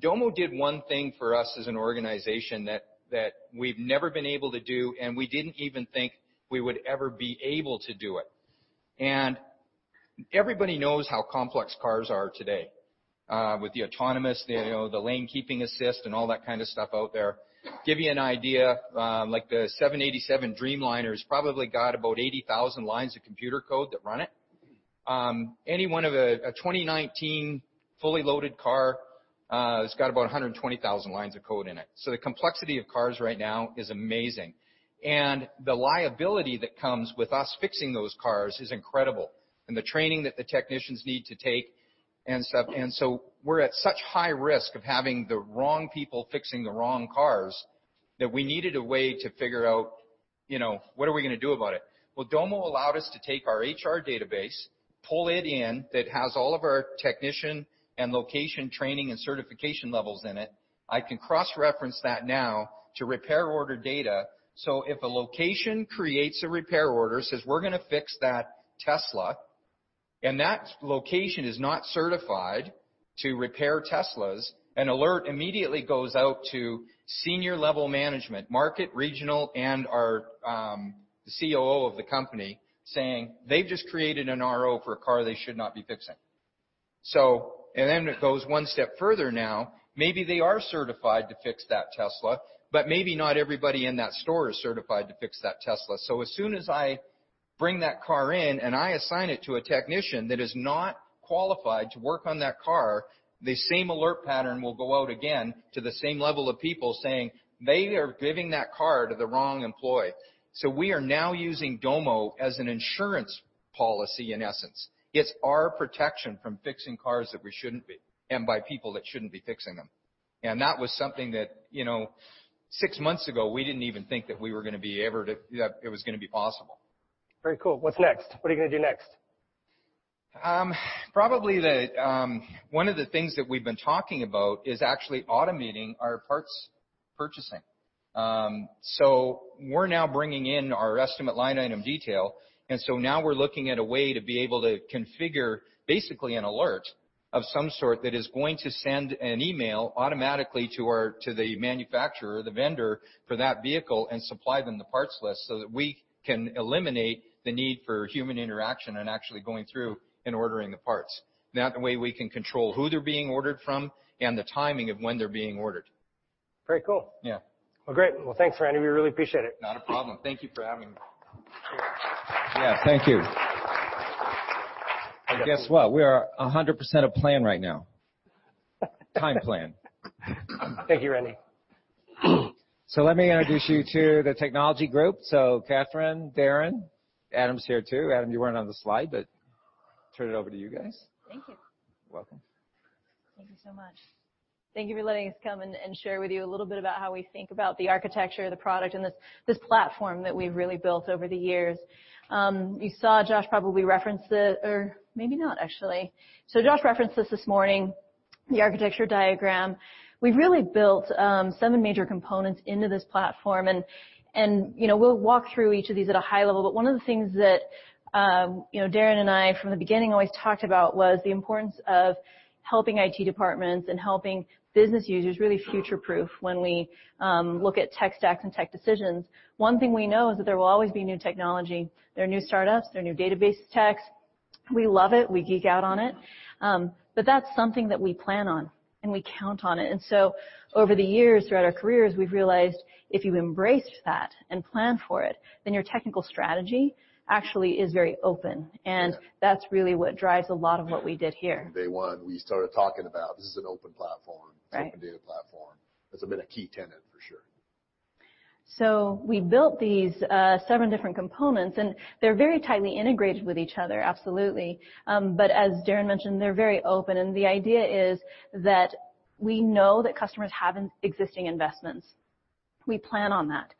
Domo did one thing for us as an organization that we've never been able to do, and we didn't even think we would ever be able to do it. Everybody knows how complex cars are today, with the autonomous, the lane keeping assist, and all that kind of stuff out there. Give you an idea, like the 787 Dreamliner's probably got about 80,000 lines of computer code that run it. Any one of a 2019 fully loaded car, has got about 120,000 lines of code in it. The complexity of cars right now is amazing. The liability that comes with us fixing those cars is incredible, and the training that the technicians need to take and stuff. We're at such high risk of having the wrong people fixing the wrong cars, that we needed a way to figure out, what are we going to do about it? Well, Domo allowed us to take our HR database, pull it in, that has all of our technician and location training and certification levels in it. I can cross-reference that now to repair order data, so if a location creates a repair order, says, "We're going to fix that Tesla," and that location is not certified to repair Teslas, an alert immediately goes out to senior level management, market, regional, and our COO of the company saying, "They've just created an RO for a car they should not be fixing." It goes one step further now. Maybe they are certified to fix that Tesla, but maybe not everybody in that store is certified to fix that Tesla. As soon as I bring that car in and I assign it to a technician that is not qualified to work on that car, the same alert pattern will go out again to the same level of people saying, "They are giving that car to the wrong employee." We are now using Domo as an insurance policy, in essence. It's our protection from fixing cars that we shouldn't be, and by people that shouldn't be fixing them. That was something that six months ago, we didn't even think that it was going to be possible. Very cool. What's next? What are you going to do next? Probably one of the things that we've been talking about is actually automating our parts purchasing. We're now bringing in our estimate line item detail, and so now we're looking at a way to be able to configure basically an alert of some sort that is going to send an email automatically to the manufacturer, the vendor for that vehicle, and supply them the parts list so that we can eliminate the need for human interaction and actually going through and ordering the parts. That way, we can control who they're being ordered from and the timing of when they're being ordered. Very cool. Yeah. Well, great. Well, thanks, Randy. We really appreciate it. Not a problem. Thank you for having me. Yeah, thank you. Guess what? We are 100% of plan right now. Time plan. Thank you, Randy. Let me introduce you to the technology group. Catherine, Daren. Adam's here, too. Adam, you weren't on the slide, turn it over to you guys. Thank you. You're welcome. Thank you so much. Thank you for letting us come and share with you a little bit about how we think about the architecture of the product and this platform that we've really built over the years. You saw Josh probably referenced it, or maybe not actually. Josh referenced this this morning, the architecture diagram. We've really built seven major components into this platform, and we'll walk through each of these at a high level. One of the things that Daren and I from the beginning always talked about was the importance of helping IT departments and helping business users really future-proof when we look at tech stacks and tech decisions. One thing we know is that there will always be new technology. There are new startups, there are new database techs. We love it. We geek out on it. That's something that we plan on, and we count on it. Over the years, throughout our careers, we've realized if you embrace that and plan for it, then your technical strategy actually is very open. Yeah. That's really what drives a lot of what we did here. From day one, we started talking about this is an open platform. Right. Open data platform. That's been a key tenet for sure. We built these seven different components, they're very tightly integrated with each other, absolutely. As Daren mentioned, they're very open, the idea is that we know that customers have existing investments. We plan on that.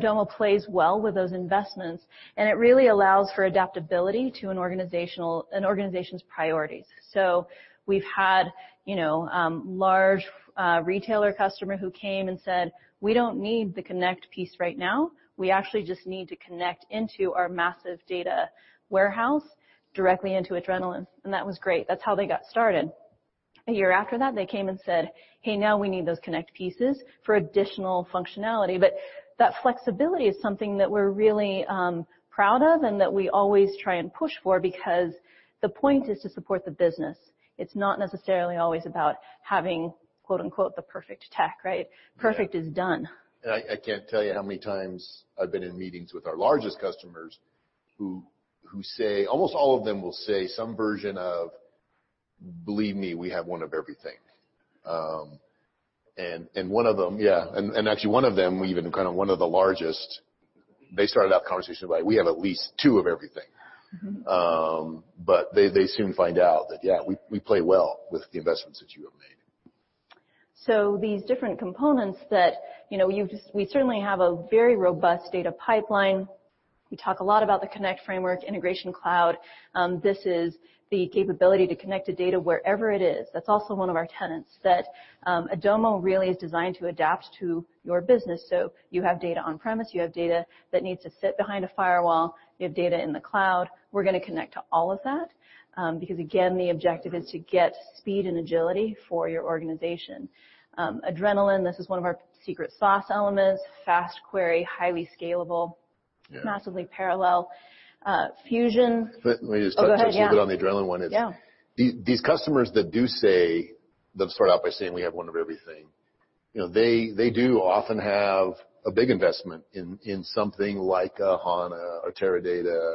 Domo plays well with those investments, and it really allows for adaptability to an organization's priorities. We've had large retailer customer who came and said, "We don't need the connect piece right now. We actually just need to connect into our massive data warehouse directly into Adrenaline." That was great. That's how they got started. A year after that, they came and said, "Hey, now we need those connect pieces for additional functionality." That flexibility is something that we're really proud of and that we always try and push for because the point is to support the business. It's not necessarily always about having, quote unquote, the perfect tech, right? Yeah. Perfect is done. I can't tell you how many times I've been in meetings with our largest customers who almost all of them will say some version of, "Believe me, we have one of everything." One of them, yeah. Actually one of them, even kind of one of the largest, they started out the conversation like, "We have at least two of everything. They soon find out that, yeah, we play well with the investments that you have made. These different components that, we certainly have a very robust data pipeline. We talk a lot about the connect framework, Integration Cloud. This is the capability to connect to data wherever it is. That's also one of our tenets, that Domo really is designed to adapt to your business. You have data on-premise, you have data that needs to sit behind a firewall, you have data in the cloud, we're going to connect to all of that. Again, the objective is to get speed and agility for your organization. Adrenaline, this is one of our secret sauce elements. Fast query, highly scalable. Yeah. Massively parallel. Fusion. Let me just touch. Oh, go ahead. Yeah A little bit on the Adrenaline one. Yeah These customers that do say, let's start out by saying we have one of everything. They do often have a big investment in something like a HANA or Teradata.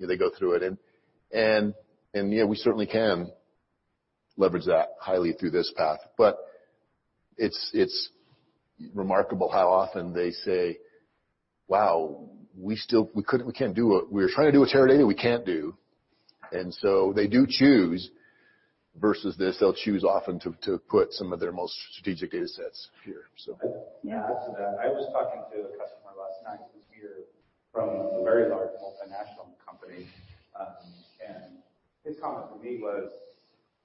They go through it. Yeah, we certainly can leverage that highly through this path. It's remarkable how often they say, "Wow, we were trying to do a Teradata, we can't do." They do choose, versus this, they'll choose often to put some of their most strategic data sets here. Yeah. To add to that, I was talking to a customer last night who's here from a very large multinational company. His comment to me was,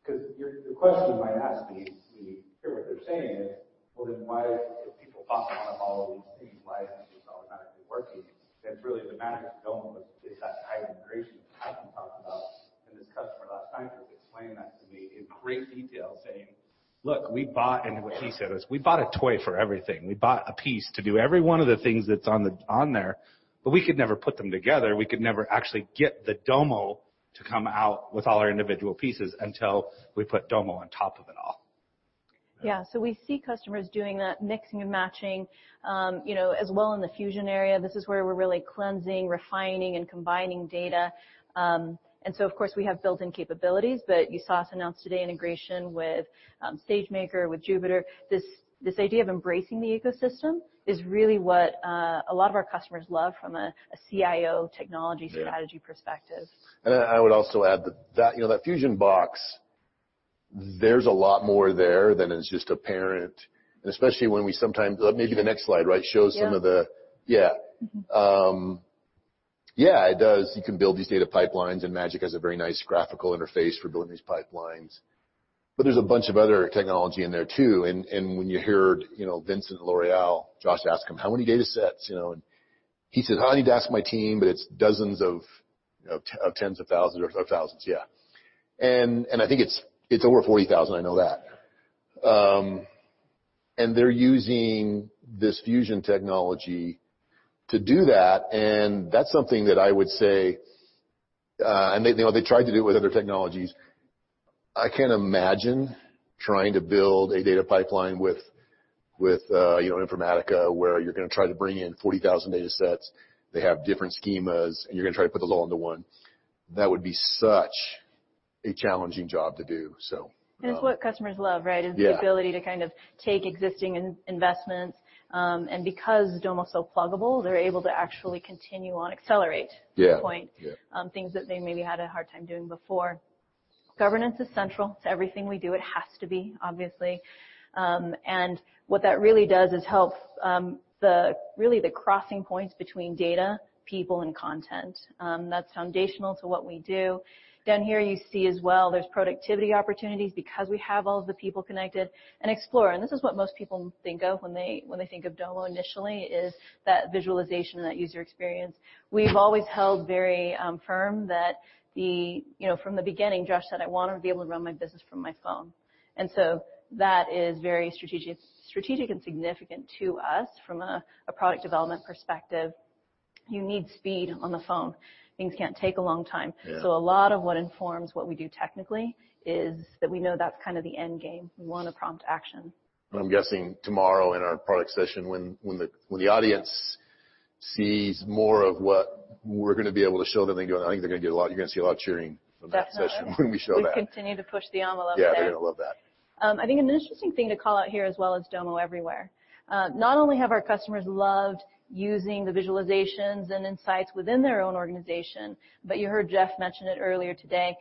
because your question you might ask me, if we hear what they're saying is, "Well, why, if people bought all these things, why isn't this automatically working?" It's really the magic of Domo is that high integration that Patrick talked about. This customer last night was explaining that to me in great detail, saying, "Look, we bought" What he said is, "We bought a toy for everything. We bought a piece to do every one of the things that's on there, but we could never put them together. We could never actually get the Domo to come out with all our individual pieces until we put Domo on top of it all. We see customers doing that mixing and matching, as well in the Fusion area. This is where we're really cleansing, refining, and combining data. Of course, we have built-in capabilities, but you saw us announce today integration with SageMaker, with Jupyter. This idea of embracing the ecosystem is really what a lot of our customers love from a CIO technology strategy perspective. I would also add that Fusion box, there's a lot more there than is just apparent, and especially when we sometimes-- Maybe the next slide, right, shows some of the- Yeah. It does. You can build these data pipelines, Magic has a very nice graphical interface for building these pipelines. There's a bunch of other technology in there, too. When you heard Vincent at L'Oréal, Josh ask him, "How many datasets?" He said, "I need to ask my team, but it's dozens of tens of thousands or thousands." I think it's over 40,000, I know that. They're using this Fusion technology to do that, and that's something that I would say. They tried to do it with other technologies. I can't imagine trying to build a data pipeline with Informatica where you're going to try to bring in 40,000 datasets. They have different schemas, and you're going to try to put them all into one. That would be such a challenging job to do. It's what customers love, right? Yeah. Is the ability to take existing investments. Because Domo's so pluggable, they're able to actually continue on. Yeah to your point. Yeah. Things that they maybe had a hard time doing before. Governance is central to everything we do. It has to be, obviously. What that really does is helps really the crossing points between data, people, and content. That's foundational to what we do. Down here you see as well, there's productivity opportunities because we have all of the people connected. Explore, and this is what most people think of when they think of Domo initially, is that visualization and that user experience. We've always held very firm. From the beginning, Josh said, "I want to be able to run my business from my phone." So that is very strategic and significant to us from a product development perspective. You need speed on the phone. Things can't take a long time. Yeah. A lot of what informs what we do technically is that we know that's the end game. We want to prompt action. I'm guessing tomorrow in our product session, when the audience sees more of what we're going to be able to show them, then I think you're going to see a lot of cheering from that session when we show that. We continue to push the envelope there. Yeah, they're going to love that. I think an interesting thing to call out here as well is Domo Everywhere. Not only have our customers loved using the visualizations and insights within their own organization, you heard Jeff mention it earlier today.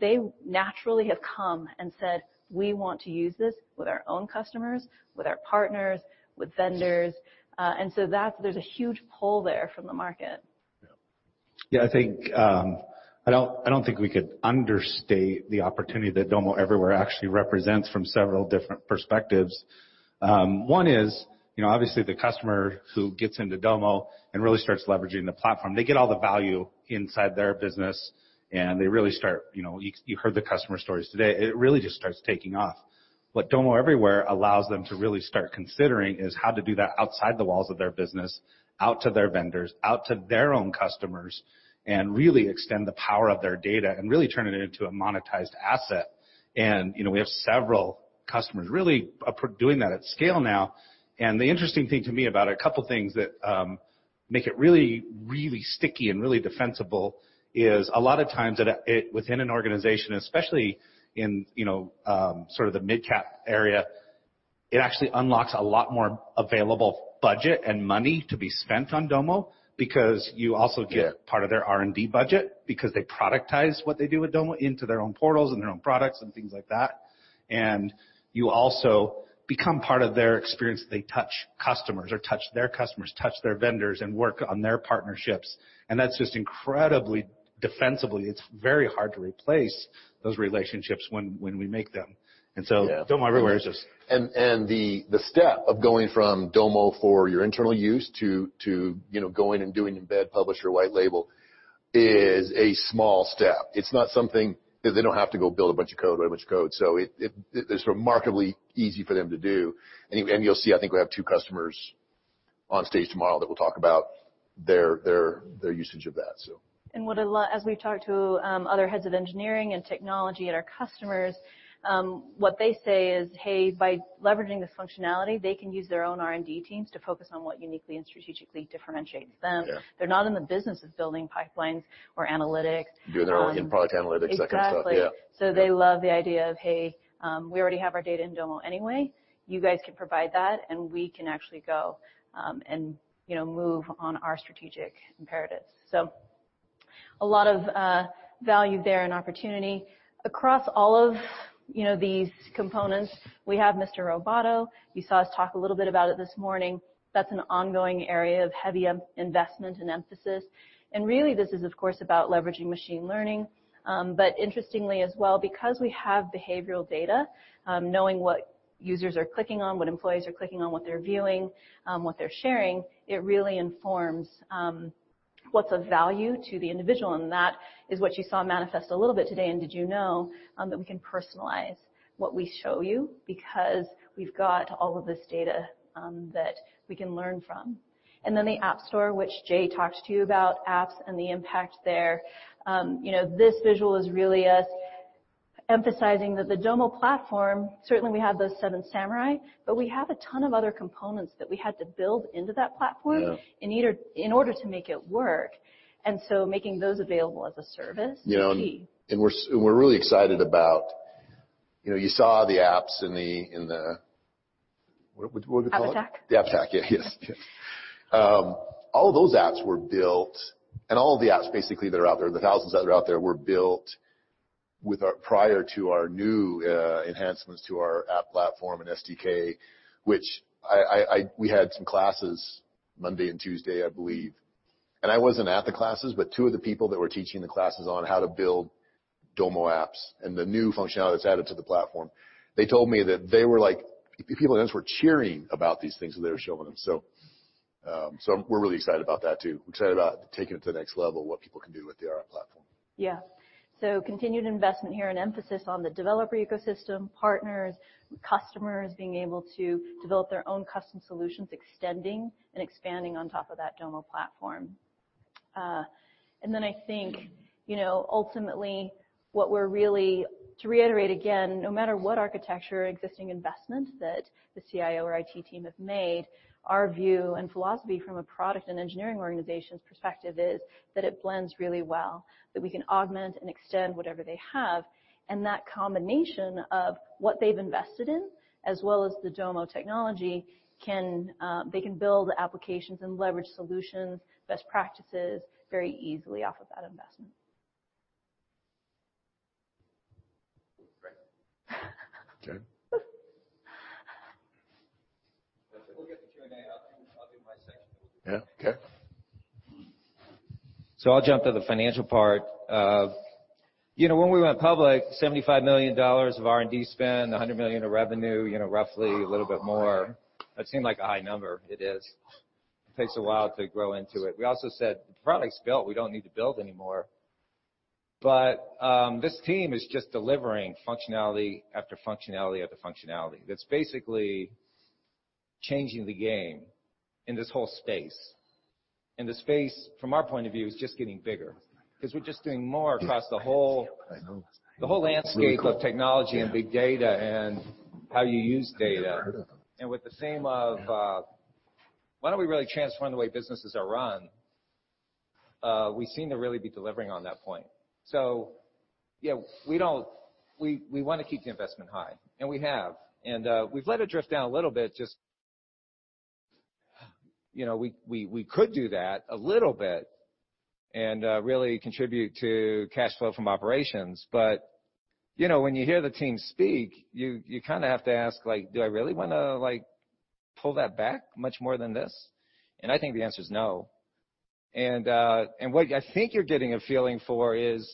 They naturally have come and said, "We want to use this with our own customers, with our partners, with vendors." There's a huge pull there from the market. Yeah, I don't think we could understate the opportunity that Domo Everywhere actually represents from several different perspectives. One is, obviously the customer who gets into Domo and really starts leveraging the platform, they get all the value inside their business. You heard the customer stories today. It really just starts taking off. What Domo Everywhere allows them to really start considering is how to do that outside the walls of their business, out to their vendors, out to their own customers, and really extend the power of their data and really turn it into a monetized asset. We have several customers really doing that at scale now. The interesting thing to me about it, a couple things that make it really, really sticky and really defensible is a lot of times within an organization, especially in sort of the midcap area, it actually unlocks a lot more available budget and money to be spent on Domo because you also get part of their R&D budget because they productize what they do with Domo into their own portals and their own products and things like that. You also become part of their experience. They touch customers, touch their vendors, and work on their partnerships. That's just incredibly defensible. It's very hard to replace Those relationships when we make them. Yeah Domo Everywhere is just- The step of going from Domo for your internal use to going and doing Embed, Publish, or white label is a small step. It's not something that they don't have to go build a bunch of code. It's remarkably easy for them to do. You'll see, I think we have two customers on stage tomorrow that will talk about their usage of that. As we've talked to other heads of engineering and technology and our customers, what they say is, "Hey, by leveraging this functionality, they can use their own R&D teams to focus on what uniquely and strategically differentiates them. Yeah. They're not in the business of building pipelines or analytics. Doing their own end product analytics, that kind of stuff. Exactly. Yeah. They love the idea of, "Hey, we already have our data in Domo anyway. You guys can provide that, and we can actually go and move on our strategic imperatives." A lot of value there and opportunity. Across all of these components, we have Mr. Roboto. You saw us talk a little bit about it this morning. That's an ongoing area of heavy investment and emphasis. Really, this is, of course, about leveraging machine learning. Interestingly as well, because we have behavioral data, knowing what users are clicking on, what employees are clicking on, what they're viewing, what they're sharing, it really informs what's of value to the individual. That is what you saw manifest a little bit today in Did You Know? That we can personalize what we show you because we've got all of this data that we can learn from. The Appstore, which Jay talked to you about apps and the impact there. This visual is really us emphasizing that the Domo platform, certainly we have those Seven Samurai, we have a ton of other components that we had to build into that platform- Yeah in order to make it work. Making those available as a service is key. Yeah. We're really excited about. You saw the apps in the, what do we call it? App stack. The app stack. Yeah. All those apps were built, all of the apps basically that are out there, the thousands that are out there, were built prior to our new enhancements to our app platform and SDK. We had some classes Monday and Tuesday, I believe. I wasn't at the classes, but two of the people that were teaching the classes on how to build Domo apps and the new functionality that's added to the platform, they told me that they were like, people in the rooms were cheering about these things that they were showing them. We're really excited about that too. We're excited about taking it to the next level, what people can do with the AI platform. Yeah. Continued investment here and emphasis on the developer ecosystem, partners, customers being able to develop their own custom solutions, extending and expanding on top of that Domo platform. I think, ultimately, what we're really to reiterate again, no matter what architecture or existing investment that the CIO or IT team have made, our view and philosophy from a product and engineering organization's perspective is that it blends really well, that we can augment and extend whatever they have. That combination of what they've invested in as well as the Domo technology, they can build applications and leverage solutions, best practices very easily off of that investment. Great. Okay. Yeah. Okay. I'll jump to the financial part. When we went public, $75 million of R&D spend, $100 million of revenue, roughly a little bit more. That seemed like a high number. It is. It takes a while to grow into it. We also said, "The product's built. We don't need to build anymore." This team is just delivering functionality after functionality, after functionality. That's basically changing the game in this whole space. The space, from our point of view, is just getting bigger because we're just doing more across the whole landscape of technology and big data and how you use data. With this theme of why don't we really transform the way businesses are run. We seem to really be delivering on that point. Yeah, we want to keep the investment high, and we have. We've let it drift down a little bit, just we could do that a little bit and really contribute to cash flow from operations. When you hear the team speak, you kind of have to ask, do I really want to pull that back much more than this? I think the answer is no. What I think you're getting a feeling for is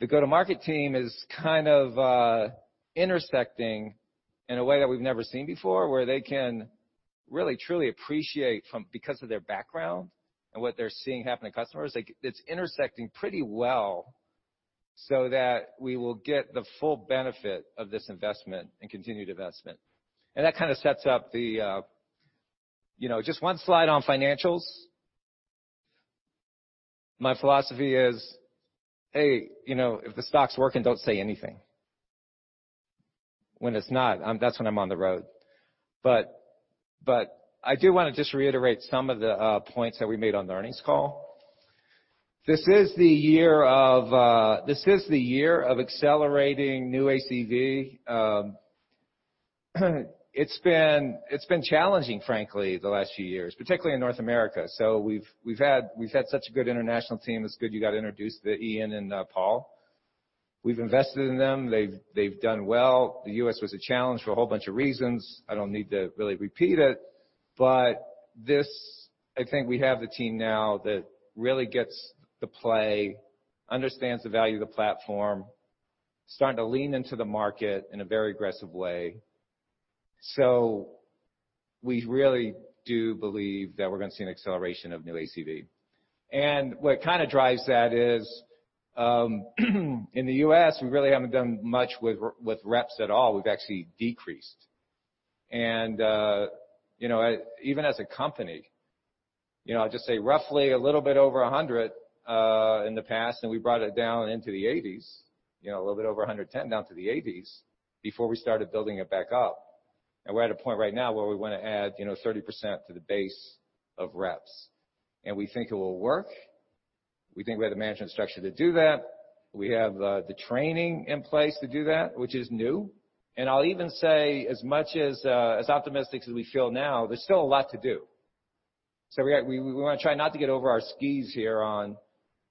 the go-to-market team is kind of intersecting in a way that we've never seen before, where they can really, truly appreciate from, because of their background and what they're seeing happen to customers. It's intersecting pretty well so that we will get the full benefit of this investment and continued investment. That kind of sets up the. Just one slide on financials. My philosophy is, hey, if the stock's working, don't say anything. When it's not, that's when I'm on the road. I do want to just reiterate some of the points that we made on the earnings call. This is the year of accelerating new ACV. It's been challenging, frankly, the last few years, particularly in North America. We've had such a good international team. It's good you got introduced to Ian and Paul. We've invested in them. They've done well. The U.S. was a challenge for a whole bunch of reasons. I don't need to really repeat it. This, I think we have the team now that really gets the play, understands the value of the platform, starting to lean into the market in a very aggressive way. We really do believe that we're going to see an acceleration of new ACV. What kind of drives that is, in the U.S., we really haven't done much with reps at all. We've actually decreased. Even as a company, I'll just say roughly a little bit over 100, in the past, and we brought it down into the 80s. A little bit over 110 down to the 80s before we started building it back up. We're at a point right now where we want to add 30% to the base of reps. We think it will work, we think we have the management structure to do that. We have the training in place to do that, which is new. I'll even say as much as optimistic as we feel now, there's still a lot to do. We want to try not to get over our skis here on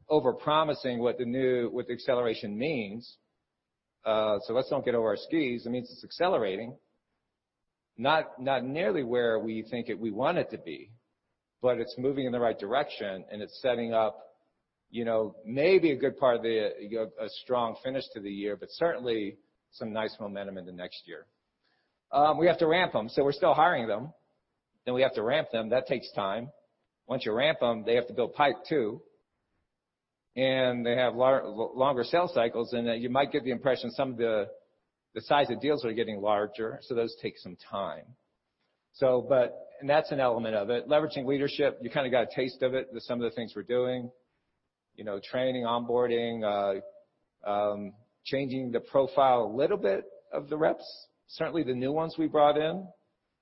over-promising what the acceleration means. Let's don't get over our skis. It means it's accelerating. Not nearly where we want it to be, but it's moving in the right direction and it's setting up maybe a good part of a strong finish to the year, but certainly some nice momentum into next year. We have to ramp them, so we're still hiring them, then we have to ramp them. That takes time. Once you ramp them, they have to build pipe too. They have longer sales cycles and you might get the impression some of the size of deals are getting larger, so those take some time. That's an element of it. Leveraging leadership, you kind of got a taste of it with some of the things we're doing. Training, onboarding, changing the profile a little bit of the reps, certainly the new ones we brought in.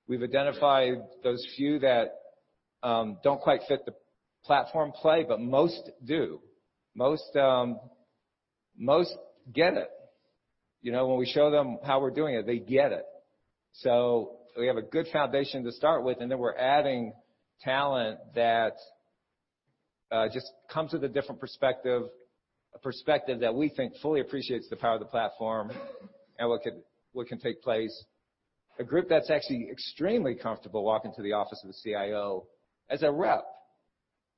We've identified those few that don't quite fit the platform play, but most do. Most get it. When we show them how we're doing it, they get it. We have a good foundation to start with, and then we're adding talent that just comes with a different perspective, a perspective that we think fully appreciates the power of the platform and what can take place. A group that's actually extremely comfortable walking to the office of a CIO as a rep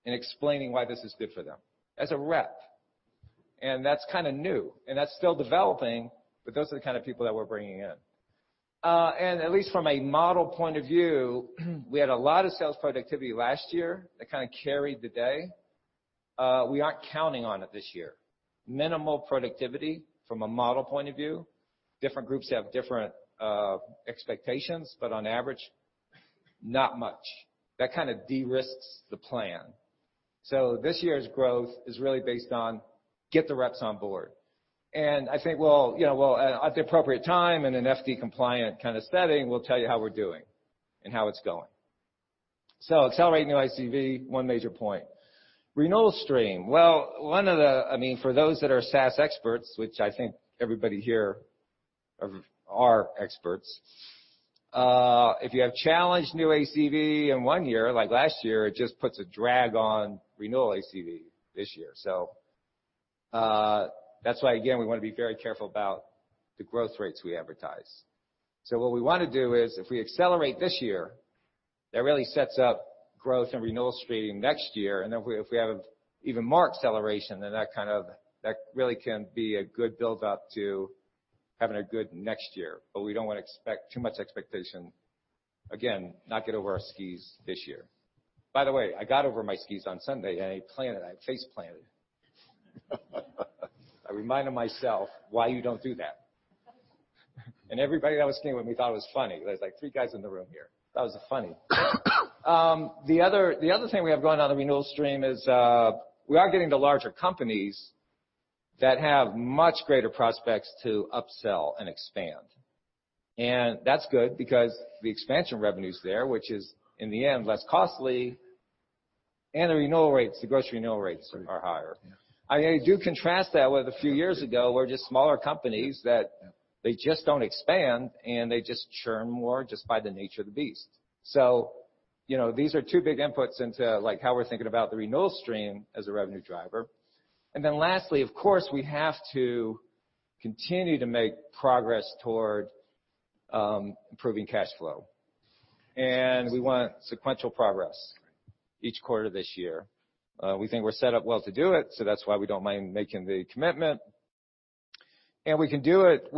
and explaining why this is good for them, as a rep. That's kind of new, and that's still developing, but those are the kind of people that we're bringing in. At least from a model point of view, we had a lot of sales productivity last year that kind of carried the day. We aren't counting on it this year. Minimal productivity from a model point of view. Different groups have different expectations, but on average, not much. That kind of de-risks the plan. This year's growth is really based on get the reps on board. I think, at the appropriate time, in an FD compliant kind of setting, we'll tell you how we're doing and how it's going. Accelerate new ACV, one major point. Renewal stream. Well, for those that are SaaS experts, which I think everybody here are experts, if you have challenged new ACV in one year, like last year, it just puts a drag on renewal ACV this year. That's why, again, we want to be very careful about the growth rates we advertise. What we want to do is, if we accelerate this year, that really sets up growth and renewal streaming next year. If we have even more acceleration, then that really can be a good build-up to having a good next year. We don't want to expect too much expectation. Again, not get over our skis this year. By the way, I got over my skis on Sunday and I planted. I face-planted. I reminded myself why you don't do that. Everybody that was skiing with me thought it was funny. There was like three guys in the room here. Thought it was funny. The other thing we have going on in the renewal stream is, we are getting to larger companies that have much greater prospects to upsell and expand. That's good because the expansion revenue's there, which is in the end, less costly. The renewal rates, the gross renewal rates are higher. Yeah. I do contrast that with a few years ago, where just smaller companies that they just don't expand, and they just churn more just by the nature of the beast. These are two big inputs into how we're thinking about the renewal stream as a revenue driver. Lastly, of course, we have to continue to make progress toward improving cash flow. We want sequential progress each quarter this year. We think we're set up well to do it, so that's why we don't mind making the commitment. We can do it.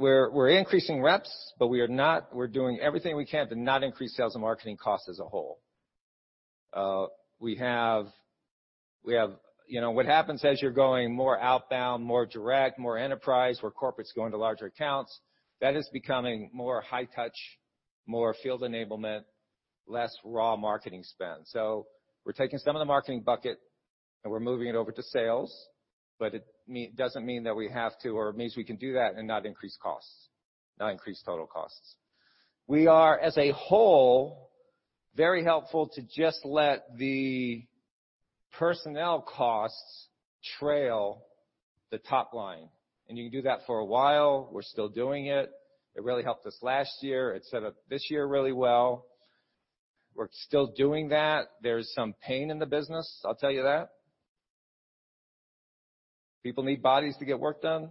We're increasing reps, but we're doing everything we can to not increase sales and marketing costs as a whole. What happens as you're going more outbound, more direct, more enterprise, where corporate's going to larger accounts, that is becoming more high touch, more field enablement, less raw marketing spend. We're taking some of the marketing bucket, and we're moving it over to sales. It doesn't mean that we have to, or it means we can do that and not increase costs, not increase total costs. We are, as a whole, very helpful to just let the personnel costs trail the top line. You can do that for a while. We're still doing it. It really helped us last year. It set up this year really well. We're still doing that. There's some pain in the business, I'll tell you that. People need bodies to get work done.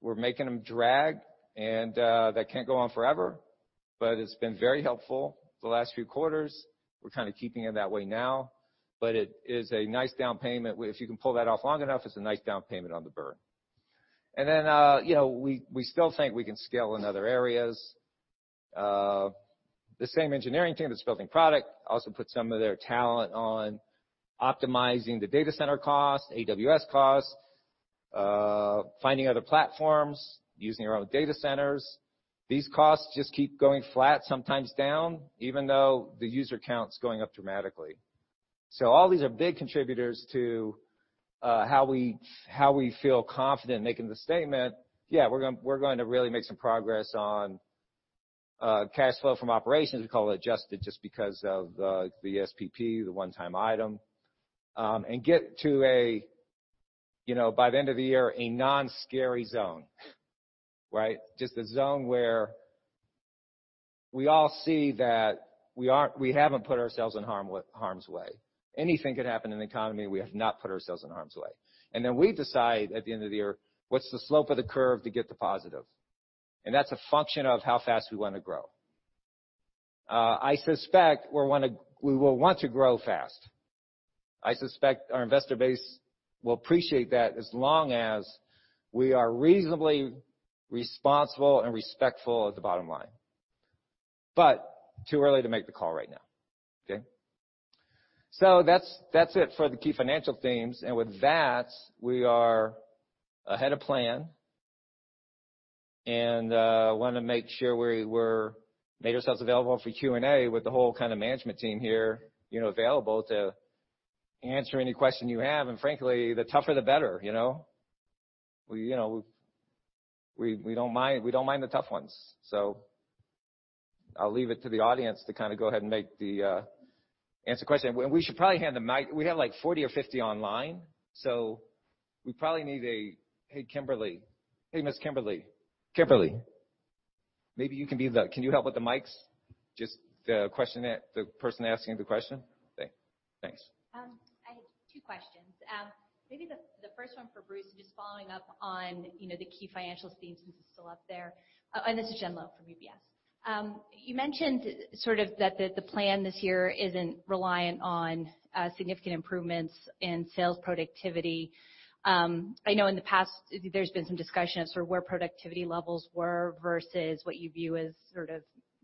We're making them drag, and that can't go on forever, but it's been very helpful the last few quarters. We're kind of keeping it that way now, but it is a nice down payment. If you can pull that off long enough, it's a nice down payment on the burn. We still think we can scale in other areas. The same engineering team that's building product also put some of their talent on optimizing the data center costs, AWS costs, finding other platforms, using our own data centers. These costs just keep going flat, sometimes down, even though the user count's going up dramatically. All these are big contributors to how we feel confident making the statement, yeah, we're going to really make some progress on cash flow from operations, we call it adjusted just because of the ESPP, the one-time item, and get to, by the end of the year, a non-scary zone, right? Just a zone where we all see that we haven't put ourselves in harm's way. Anything could happen in the economy, we have not put ourselves in harm's way. We decide at the end of the year, what's the slope of the curve to get to positive? That's a function of how fast we want to grow. I suspect we will want to grow fast. I suspect our investor base will appreciate that as long as we are reasonably responsible and respectful of the bottom line. Too early to make the call right now, okay? That's it for the key financial themes. With that, we are ahead of plan and want to make sure we made ourselves available for Q&A with the whole management team here available to answer any question you have. Frankly, the tougher the better. We don't mind the tough ones. I'll leave it to the audience to go ahead and answer the question. We have 40 or 50 online, so we probably need Hey, Kimberly. Hey, Ms. Kimberly. Kimberly, can you help with the mics? Just the person asking the question? Thanks. I have two questions. Maybe the first one for Bruce, just following up on the key financial themes since it's still up there. This is Jen Lowe from UBS. You mentioned sort of that the plan this year isn't reliant on significant improvements in sales productivity. I know in the past, there's been some discussion of sort of where productivity levels were versus what you view as sort of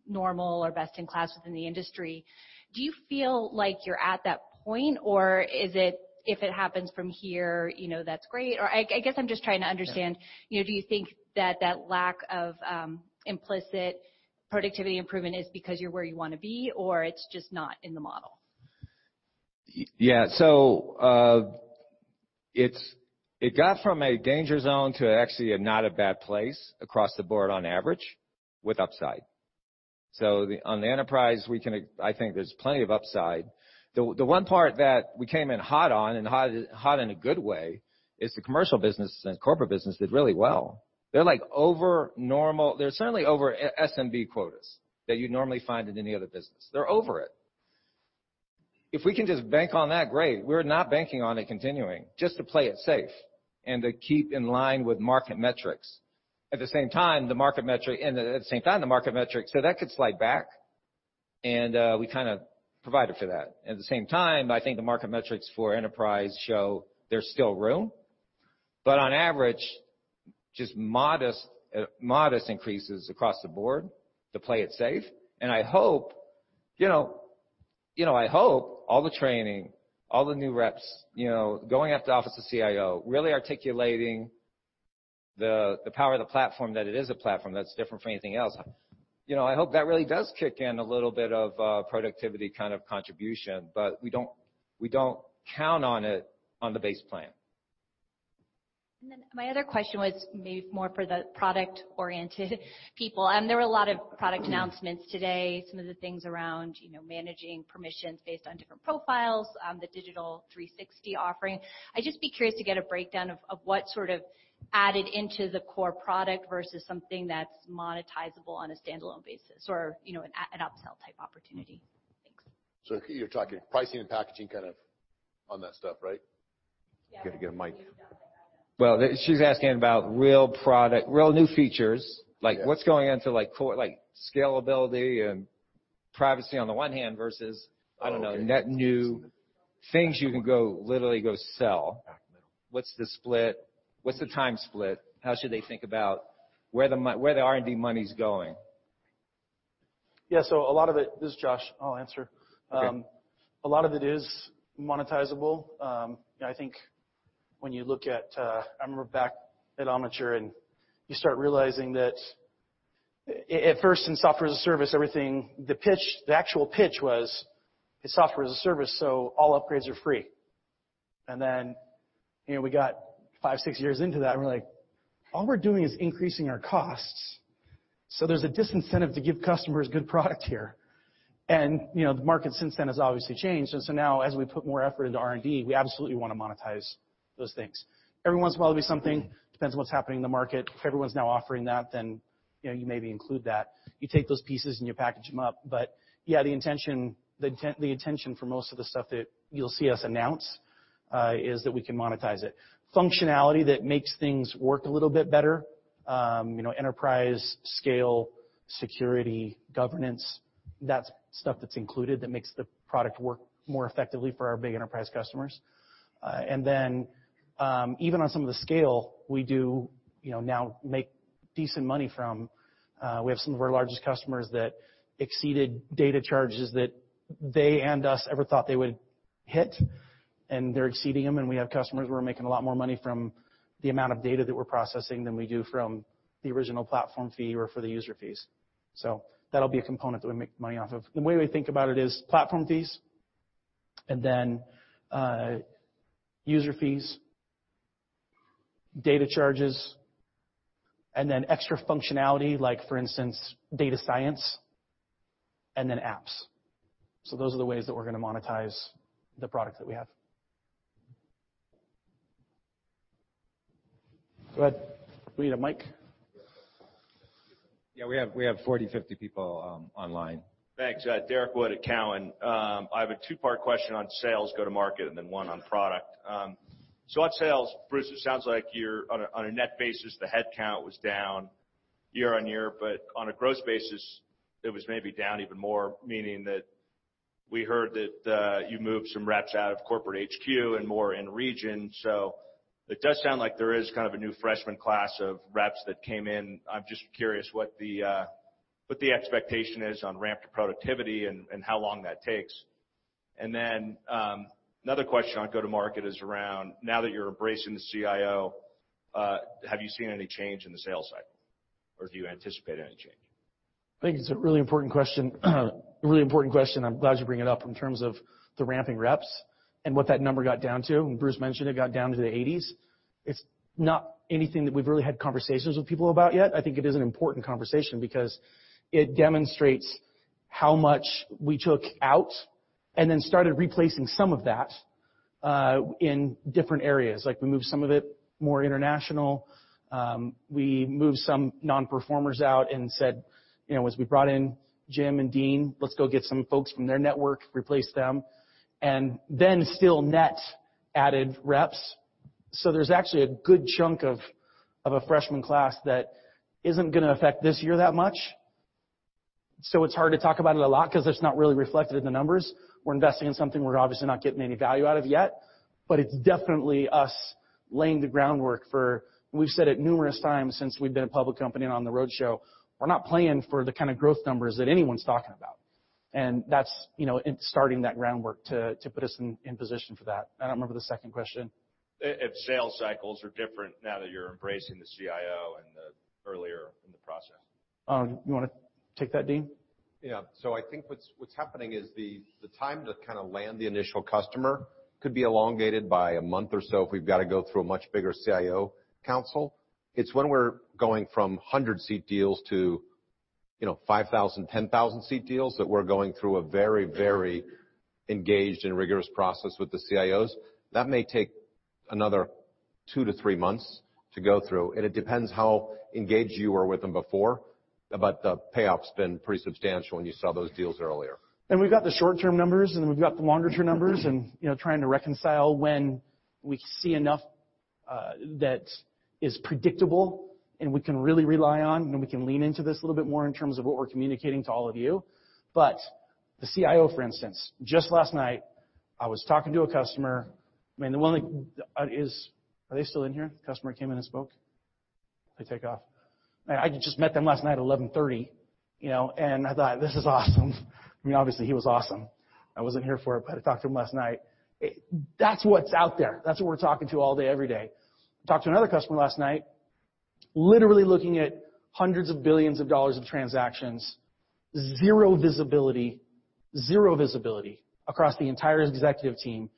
normal or best in class within the industry. Do you feel like you're at that point, or is it if it happens from here, that's great? I guess I'm just trying to understand, do you think that lack of implicit productivity improvement is because you're where you want to be, or it's just not in the model? It got from a danger zone to actually a not a bad place across the board on average with upside. On the enterprise, I think there's plenty of upside. The one part that we came in hot on, and hot in a good way, is the commercial business and corporate business did really well. They're like over normal. They're certainly over SMB quotas that you'd normally find in any other business. They're over it. If we can just bank on that, great. We're not banking on it continuing, just to play it safe and to keep in line with market metrics. At the same time, the market metric, that could slide back, and we kind of provided for that. At the same time, I think the market metrics for enterprise show there's still room. On average, just modest increases across the board to play it safe. I hope all the training, all the new reps, going after office of CIO, really articulating the power of the platform, that it is a platform that's different from anything else. I hope that really does kick in a little bit of productivity kind of contribution. We don't count on it on the base plan. My other question was maybe more for the product-oriented people. There were a lot of product announcements today, some of the things around managing permissions based on different profiles, the Digital 360 offering. I'd just be curious to get a breakdown of what sort of added into the core product versus something that's monetizable on a standalone basis or an upsell type opportunity. Thanks. You're talking pricing and packaging kind of on that stuff, right? Yeah. You got to get a mic. Well, she's asking about real new features. Like what's going into scalability and privacy on the one hand versus Okay. I don't know, net new things you can literally go sell. What's the time split? How should they think about where the R&D money's going? Yeah. This is Josh. I'll answer. Okay. A lot of it is monetizable. I think when you look at, I remember back at Omniture, you start realizing that at first in software as a service, the actual pitch was it's software as a service, so all upgrades are free. Then we got five, six years into that, and we're like, "All we're doing is increasing our costs." There's a disincentive to give customers good product here. The market since then has obviously changed. Now as we put more effort into R&D, we absolutely want to monetize those things. Every once in a while, there'll be something, depends on what's happening in the market. If everyone's now offering that, then you maybe include that. You take those pieces, and you package them up. Yeah, the intention for most of the stuff that you'll see us announce is that we can monetize it. Functionality that makes things work a little bit better. Enterprise, scale, security, governance, that's stuff that's included that makes the product work more effectively for our big enterprise customers. Then, even on some of the scale, we do now make decent money from, we have some of our largest customers that exceeded data charges that they and us ever thought they would hit, and they're exceeding them. We have customers who are making a lot more money from the amount of data that we're processing than we do from the original platform fee or for the user fees. That'll be a component that we make money off of. The way we think about it is platform fees, and then user fees, data charges, and then extra functionality like for instance, data science, and then apps. Those are the ways that we're going to monetize the product that we have. Go ahead. We need a mic. Yeah, we have 40, 50 people online. Thanks. Derrick Wood at TD Cowen. I have a two-part question on sales go-to-market, and then one on product. On sales, Bruce, it sounds like you're on a net basis, the headcount was down year-over-year, but on a growth basis, it was maybe down even more, meaning that we heard that, you moved some reps out of corporate HQ and more in region. It does sound like there is kind of a new freshman class of reps that came in. I'm just curious what the expectation is on ramp to productivity and how long that takes. Another question on go-to-market is around now that you're embracing the CIO, have you seen any change in the sales cycle or do you anticipate any change? I think it's a really important question. I'm glad you bring it up in terms of the ramping reps and what that number got down to. When Bruce mentioned it got down to the 80s. It's not anything that we've really had conversations with people about yet. I think it is an important conversation because it demonstrates how much we took out and then started replacing some of that, in different areas. Like we moved some of it more international. We moved some non-performers out and said, as we brought in Jim and Dean, let's go get some folks from their network, replace them, and then still net added reps. There's actually a good chunk of a freshman class that isn't going to affect this year that much. It's hard to talk about it a lot because it's not really reflected in the numbers. We're investing in something we're obviously not getting any value out of yet. It's definitely us laying the groundwork for We've said it numerous times since we've been a public company and on the road show, we're not playing for the kind of growth numbers that anyone's talking about. That's starting that groundwork to put us in position for that. I don't remember the second question. If sales cycles are different now that you're embracing the CIO and earlier in the process. You want to take that, Dean? Yeah. I think what's happening is the time to kind of land the initial customer could be elongated by a month or so if we've got to go through a much bigger CIO council. It's when we're going from 100-seat deals to 5,000, 10,000-seat deals that we're going through a very engaged and rigorous process with the CIOs. That may take another two to three months to go through. It depends how engaged you were with them before, the payoff's been pretty substantial, and you saw those deals earlier. We've got the short-term numbers, we've got the longer-term numbers and trying to reconcile when we see enough that is predictable and we can really rely on and we can lean into this a little bit more in terms of what we're communicating to all of you. The CIO, for instance, just last night, I was talking to a customer, I mean, the one Are they still in here? The customer came in and spoke. They take off. Man, I just met them last night at 11:30 P.M., and I thought, "This is awesome." I mean, obviously he was awesome. I wasn't here for it, I talked to him last night. That's what's out there. That's what we're talking to all day, every day. Talked to another customer last night, literally looking at hundreds of billions of dollars of transactions, zero visibility across the entire executive team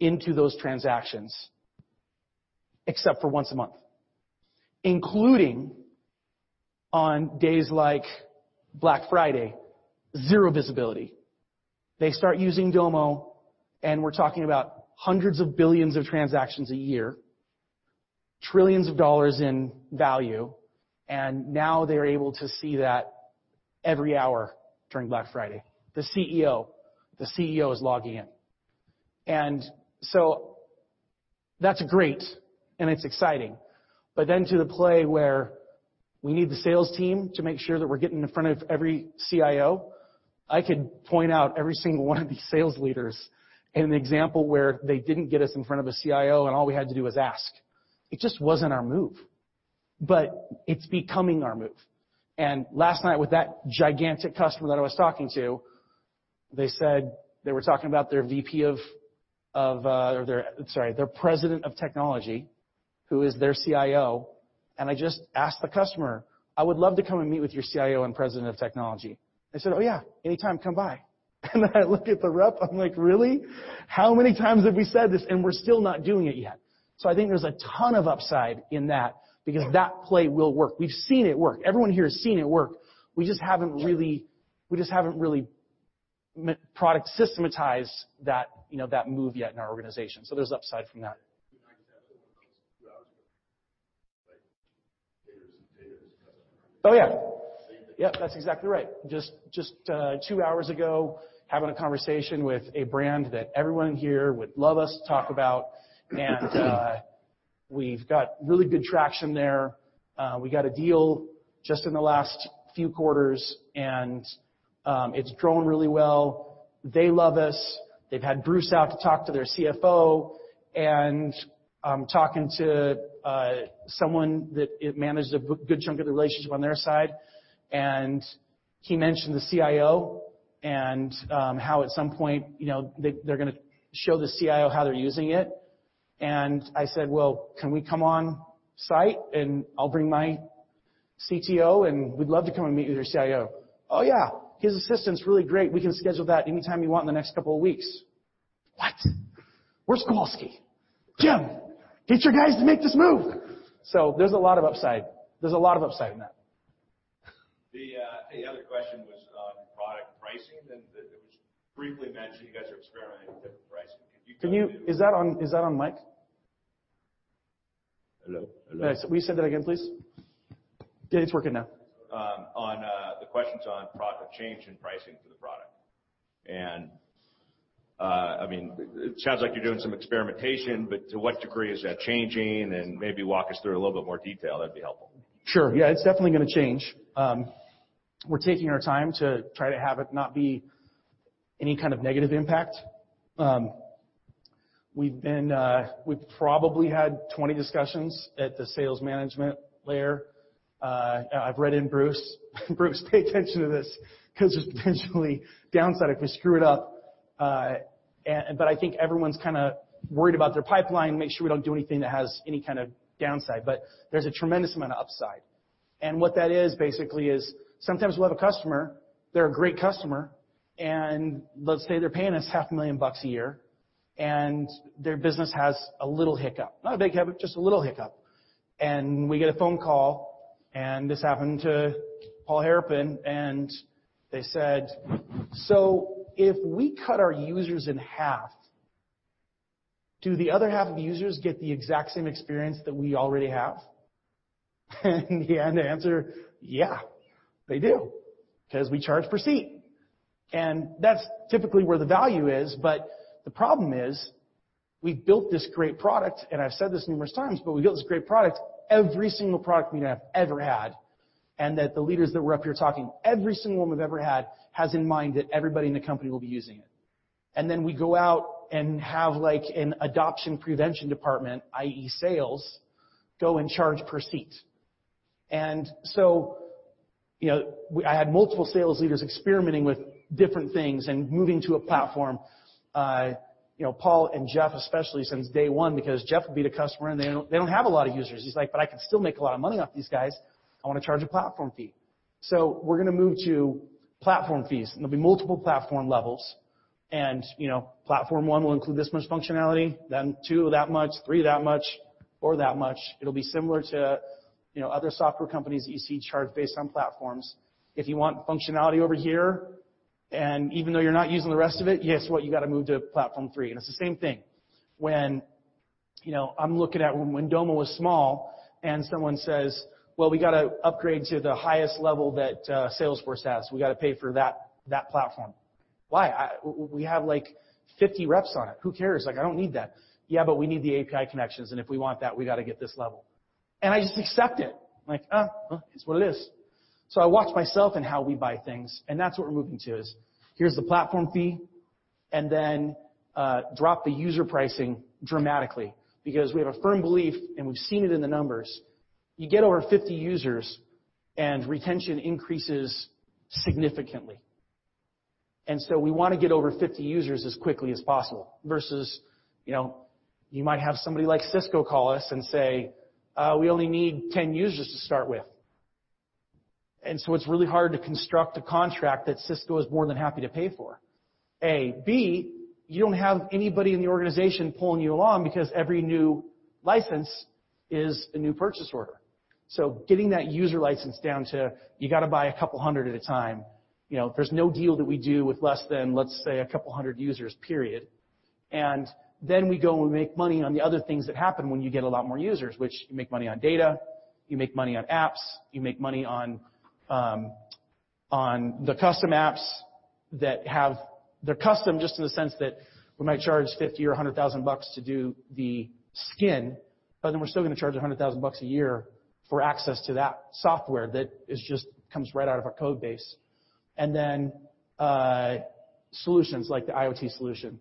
into those transactions, except for once a month, including on days like Black Friday, zero visibility. They start using Domo, we're talking about hundreds of billions of transactions a year, trillions of dollars in value, and now they're able to see that every hour during Black Friday. The CEO is logging in. That's great, and it's exciting. To the play where we need the sales team to make sure that we're getting in front of every CIO, I could point out every single one of these sales leaders in an example where they didn't get us in front of a CIO, and all we had to do was ask. It just wasn't our move, it's becoming our move. Last night with that gigantic customer that I was talking to, they said they were talking about their President of Technology, who is their CIO, and I just asked the customer, "I would love to come and meet with your CIO and President of Technology." They said, "Oh, yeah. Anytime, come by." Then I look at the rep, I'm like, "Really?" How many times have we said this and we're still not doing it yet? I think there's a ton of upside in that, because that play will work. We've seen it work. Everyone here has seen it work. We just haven't really product systematized that move yet in our organization. There's upside from that. Oh, yeah. Yep, that's exactly right. Just two hours ago, having a conversation with a brand that everyone in here would love us to talk about, and we've got really good traction there. We got a deal just in the last few quarters, and it's grown really well. They love us. They've had Bruce out to talk to their CFO, and I'm talking to someone that manages a good chunk of the relationship on their side. He mentioned the CIO, and how at some point, they're going to show the CIO how they're using it. I said, "Well, can we come on-site, and I'll bring my CTO, and we'd love to come and meet with your CIO?" "Oh, yeah. His assistant's really great. We can schedule that anytime you want in the next couple of weeks." "What? Where's Kowalski? Jim, get your guys to make this move." There's a lot of upside in that. The other question was on product pricing, and it was briefly mentioned you guys are experimenting with different pricing. Can you talk to- Is that on mic? Hello? Will you say that again, please? Okay, it's working now. The question's on change in pricing for the product. It sounds like you're doing some experimentation, but to what degree is that changing? Maybe walk us through a little bit more detail, that'd be helpful. Sure. Yeah, it's definitely going to change. We're taking our time to try to have it not be any kind of negative impact. We've probably had 20 discussions at the sales management layer. I've read in Bruce. Bruce, pay attention to this because there's potentially downside if we screw it up. I think everyone's kind of worried about their pipeline, make sure we don't do anything that has any kind of downside. There's a tremendous amount of upside, and what that is basically is sometimes we'll have a customer, they're a great customer, and let's say they're paying us half a million dollars a year, and their business has a little hiccup. Not a big hiccup, just a little hiccup. We get a phone call, this happened to Paul Harapin, they said, "So if we cut our users in half, do the other half of users get the exact same experience that we already have?" The answer, yeah, they do, because we charge per seat. That's typically where the value is, but the problem is we've built this great product, I've said this numerous times, but we built this great product. Every single product we have ever had, that the leaders that were up here talking, every single one we've ever had, has in mind that everybody in the company will be using it. Then we go out and have an adoption prevention department, i.e. sales, go and charge per seat. I had multiple sales leaders experimenting with different things and moving to a platform. Paul and Jeff, especially since day one, because Jeff will be the customer, they don't have a lot of users. He's like, "But I can still make a lot of money off these guys. I want to charge a platform fee." We're going to move to platform fees, there'll be multiple platform levels. Platform one will include this much functionality, then two that much, three that much, four that much. It'll be similar to other software companies that you see charge based on platforms. If you want functionality over here, even though you're not using the rest of it, guess what? You got to move to platform three. It's the same thing. When I'm looking at when Domo was small and someone says, "Well, we got to upgrade to the highest level that Salesforce has. We got to pay for that platform." Why? We have 50 reps on it. Who cares? I don't need that. Yeah, we need the API connections, if we want that, we got to get this level. I just accept it, like, eh, it's what it is. I watch myself and how we buy things, that's what we're moving to is, here's the platform fee, then drop the user pricing dramatically. We have a firm belief, we've seen it in the numbers, you get over 50 users, retention increases significantly. We want to get over 50 users as quickly as possible versus you might have somebody like Cisco call us and say, "We only need 10 users to start with." It's really hard to construct a contract that Cisco is more than happy to pay for, A. B, you don't have anybody in the organization pulling you along because every new license is a new purchase order. Getting that user license down to you got to buy a couple of hundred at a time. There's no deal that we do with less than, let's say, a couple of hundred users, period. We go and make money on the other things that happen when you get a lot more users, which you make money on data, you make money on apps, you make money on the custom apps that have. They're custom just in the sense that we might charge $50,000 or $100,000 to do the skin, but then we're still going to charge $100,000 a year for access to that software that just comes right out of our code base. Solutions like the IoT solution.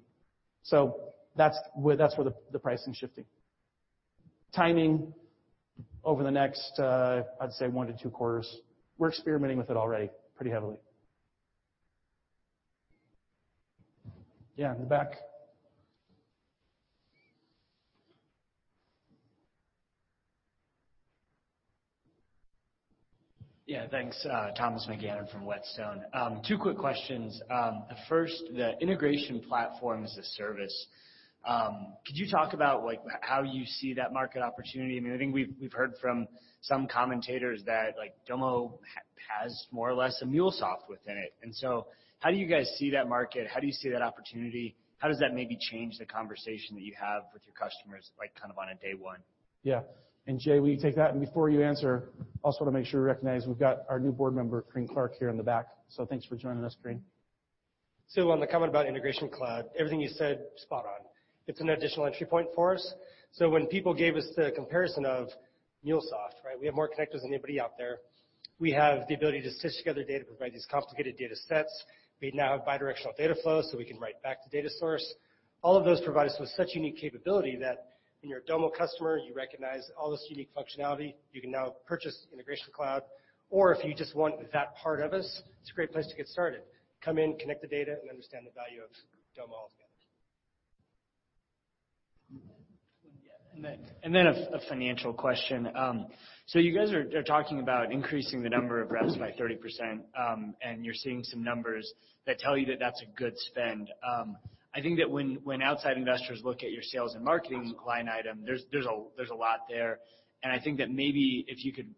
That's where the pricing is shifting. Timing, over the next, I'd say one to two quarters. We're experimenting with it already pretty heavily. Yeah, in the back. Yeah, thanks. Thomas McGannon from Whetstone. Two quick questions. First, the integration platform as a service. Could you talk about how you see that market opportunity? I think we've heard from some commentators that Domo has more or less a MuleSoft within it. How do you guys see that market? How do you see that opportunity? How does that maybe change the conversation that you have with your customers on a day one? Yeah. Jay, will you take that? Before you answer, I also want to make sure we recognize we've got our new board member, Carine Clark, here in the back. Thanks for joining us, Carine. On the comment about Integration Cloud, everything you said, spot on. It's an additional entry point for us. When people gave us the comparison of MuleSoft, right? We have more connectors than anybody out there. We have the ability to stitch together data, provide these complicated data sets. We now have bidirectional data flow, so we can write back to data source. All of those provide us with such unique capability that when you're a Domo customer, you recognize all this unique functionality. You can now purchase Integration Cloud, or if you just want that part of us, it's a great place to get started. Come in, connect the data, and understand the value of Domo all together. A financial question. You guys are talking about increasing the number of reps by 30%, and you're seeing some numbers that tell you that that's a good spend. I think that when outside investors look at your sales and marketing line item, there's a lot there, and I think that maybe if you could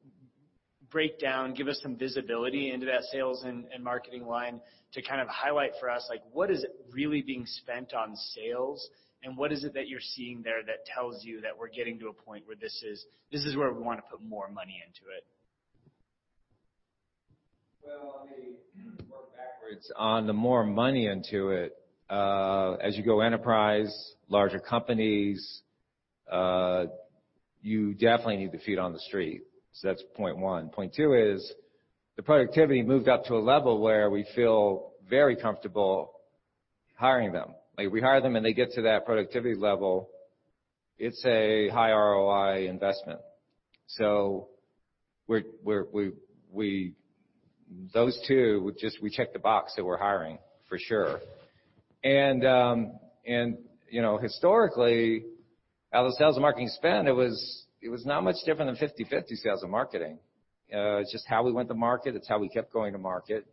break down, give us some visibility into that sales and marketing line to kind of highlight for us, what is really being spent on sales, and what is it that you're seeing there that tells you that we're getting to a point where this is where we want to put more money into it? Let me work backwards on the more money into it. As you go enterprise, larger companies, you definitely need the feet on the street. That's point one. Point two is the productivity moved up to a level where we feel very comfortable hiring them. We hire them, and they get to that productivity level. It's a high ROI investment. Those two, we check the box that we're hiring for sure. Historically, out of the sales and marketing spend, it was not much different than 50/50 sales and marketing. It's just how we went to market. It's how we kept going to market.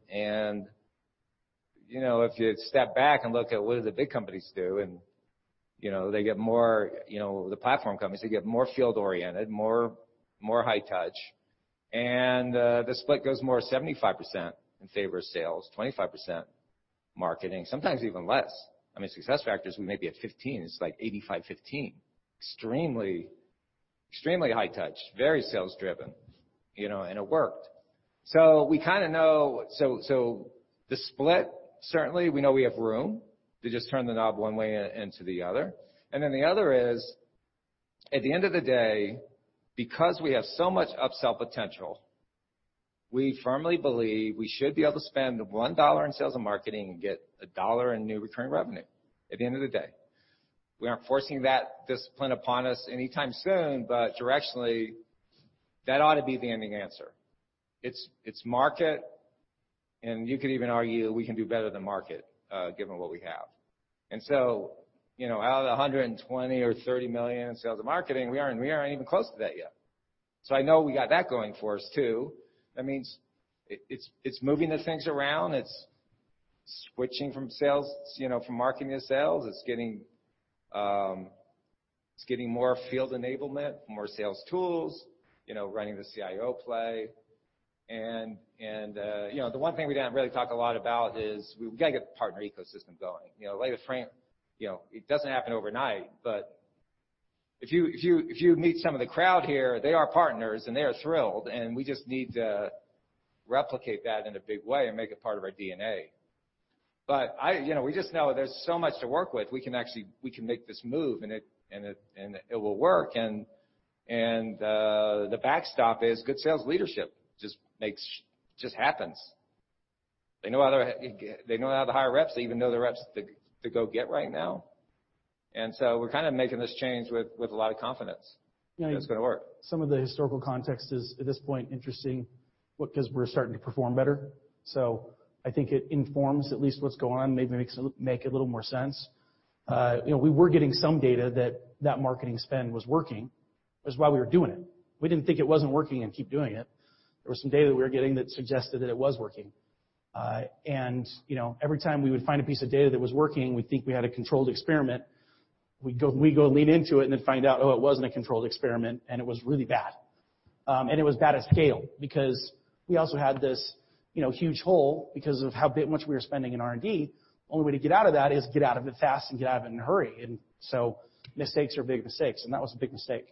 If you step back and look at what do the big companies do, and the platform companies, they get more field-oriented, more high touch. The split goes more 75% in favor of sales, 25% marketing, sometimes even less. SuccessFactors, we may be at 15%, it's like 85/15. Extremely high touch, very sales-driven, and it worked. The split, certainly, we know we have room to just turn the knob one way into the other. The other is, at the end of the day, because we have so much upsell potential, we firmly believe we should be able to spend $1 in sales and marketing and get a dollar in new recurring revenue at the end of the day. We aren't forcing that discipline upon us anytime soon, but directionally, that ought to be the ending answer. It's market, and you could even argue that we can do better than market, given what we have. Out of the $120 million or $30 million in sales and marketing, we aren't even close to that yet. I know we got that going for us, too. That means it's moving the things around. It's switching from marketing to sales. It's getting more field enablement, more sales tools, running the CIO play. The one thing we didn't really talk a lot about is we've got to get the partner ecosystem going. It doesn't happen overnight, but if you meet some of the crowd here, they are partners, and they are thrilled, and we just need to replicate that in a big way and make it part of our DNA. We just know there's so much to work with. We can make this move, and it will work. The backstop is good sales leadership. It just happens. They know how to hire reps. They even know the reps to go get right now. We're kind of making this change with a lot of confidence that it's going to work. Some of the historical context is, at this point, interesting because we're starting to perform better. I think it informs at least what's going on, maybe makes a little more sense. We were getting some data that that marketing spend was working. That's why we were doing it. We didn't think it wasn't working and keep doing it. There was some data that we were getting that suggested that it was working. Every time we would find a piece of data that was working, we'd think we had a controlled experiment. We'd go lean into it and then find out, oh, it wasn't a controlled experiment, and it was really bad. It was bad at scale because we also had this huge hole because of how much we were spending in R&D. Only way to get out of that is get out of it fast and get out of it in a hurry. Mistakes are big mistakes, and that was a big mistake.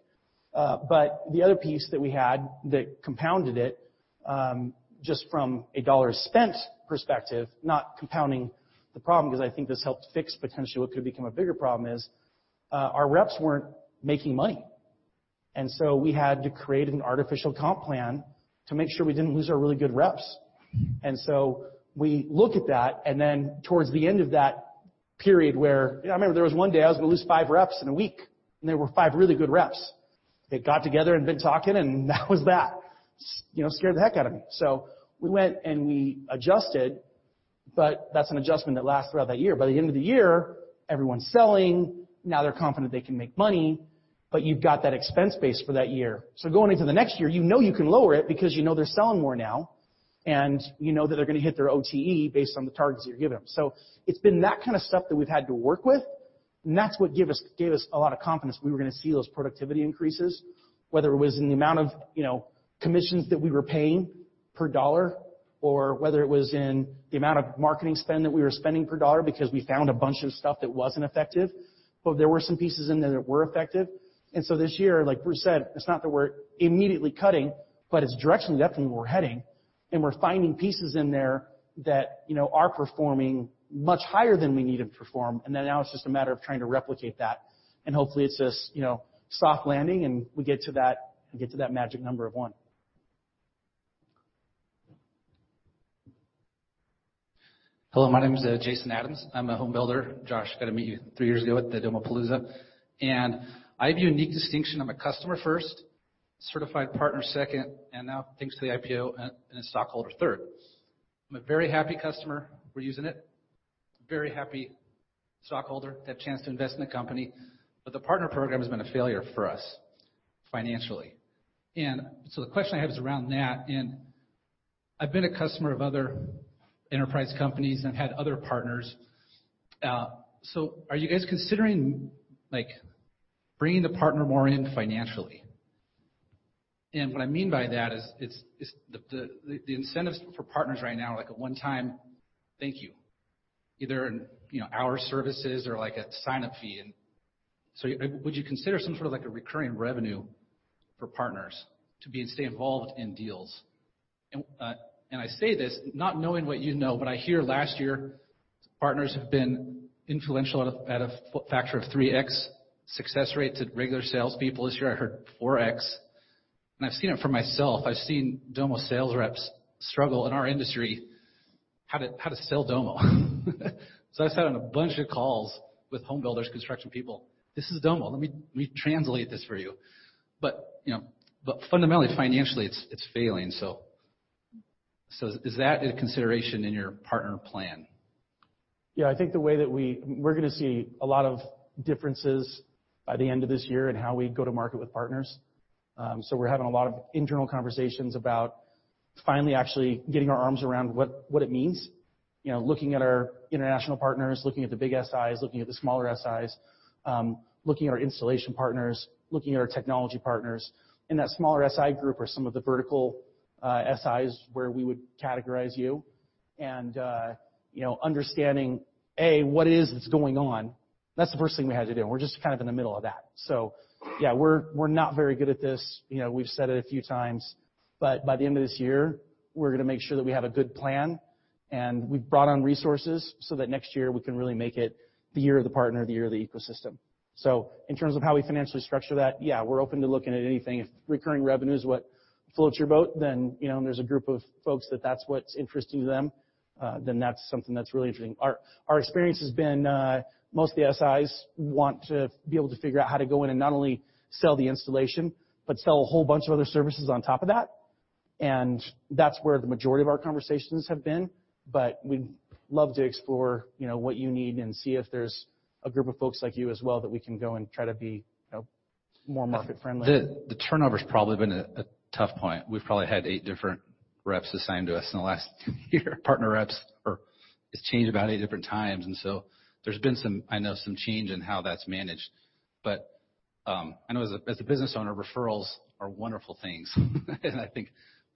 The other piece that we had that compounded it, just from a dollar spent perspective, not compounding the problem, because I think this helped fix potentially what could become a bigger problem is, our reps weren't making money. We had to create an artificial comp plan to make sure we didn't lose our really good reps. We look at that, and then towards the end of that period where I remember there was one day I was going to lose five reps in a week, and they were five really good reps. They got together and been talking, and that was that. Scared the heck out of me. We went, and we adjusted, but that's an adjustment that lasts throughout that year. By the end of the year, everyone's selling. Now they're confident they can make money, but you've got that expense base for that year. Going into the next year, you know you can lower it because you know they're selling more now, and you know that they're going to hit their OTE based on the targets that you're giving them. It's been that kind of stuff that we've had to work with, and that's what gave us a lot of confidence we were going to see those productivity increases, whether it was in the amount of commissions that we were paying per dollar or whether it was in the amount of marketing spend that we were spending per dollar because we found a bunch of stuff that wasn't effective. There were some pieces in there that were effective. This year, like Bruce said, it's not that we're immediately cutting, but it's directionally definitely where we're heading. We're finding pieces in there that are performing much higher than we need them to perform. Now it's just a matter of trying to replicate that, and hopefully it's this soft landing, and we get to that magic number of one. Hello, my name is Jason Adams. I am a home builder. Josh, got to meet you three years ago at the Domopalooza. I have a unique distinction. I am a customer first, certified partner second, a stockholder third. I am a very happy customer. We are using it. Very happy stockholder, that chance to invest in the company. The partner program has been a failure for us financially. The question I have is around that. I have been a customer of other enterprise companies and had other partners. Are you guys considering bringing the partner more in financially? What I mean by that is, the incentives for partners right now are like a one-time thank you, either an hour services or like a sign-up fee. Would you consider some sort of a recurring revenue for partners to be able to stay involved in deals? I say this not knowing what you know. I hear last year, partners have been influential at a factor of 3x success rate to regular salespeople. This year, I heard 4x. I have seen it for myself. I have seen Domo sales reps struggle in our industry how to sell Domo. I have sat on a bunch of calls with home builders, construction people. This is Domo. Let me translate this for you. Fundamentally, financially, it is failing. Is that a consideration in your partner plan? I think the way that we are going to see a lot of differences by the end of this year in how we go to market with partners. We are having a lot of internal conversations about finally actually getting our arms around what it means. Looking at our international partners, looking at the big SIs, looking at the smaller SIs, looking at our installation partners, looking at our technology partners. In that smaller SI group are some of the vertical SIs where we would categorize you and understanding, A, what it is that is going on. That is the first thing we had to do, and we are just kind of in the middle of that. We are not very good at this. We have said it a few times. By the end of this year, we are going to make sure that we have a good plan, and we have brought on resources that next year we can really make it the year of the partner, the year of the ecosystem. In terms of how we financially structure that, we are open to looking at anything. If recurring revenue is what floats your boat, there is a group of folks that that is what is interesting to them, that is something that is really interesting. Our experience has been, most of the SIs want to be able to figure out how to go in and not only sell the installation, but sell a whole bunch of other services on top of that. That is where the majority of our conversations have been. We'd love to explore what you need and see if there's a group of folks like you as well that we can go and try to be more market friendly. The turnover's probably been a tough point. We've probably had eight different reps assigned to us in the last year. Partner reps it's changed about eight different times. There's been some, I know, some change in how that's managed. I know as a business owner, referrals are wonderful things. I think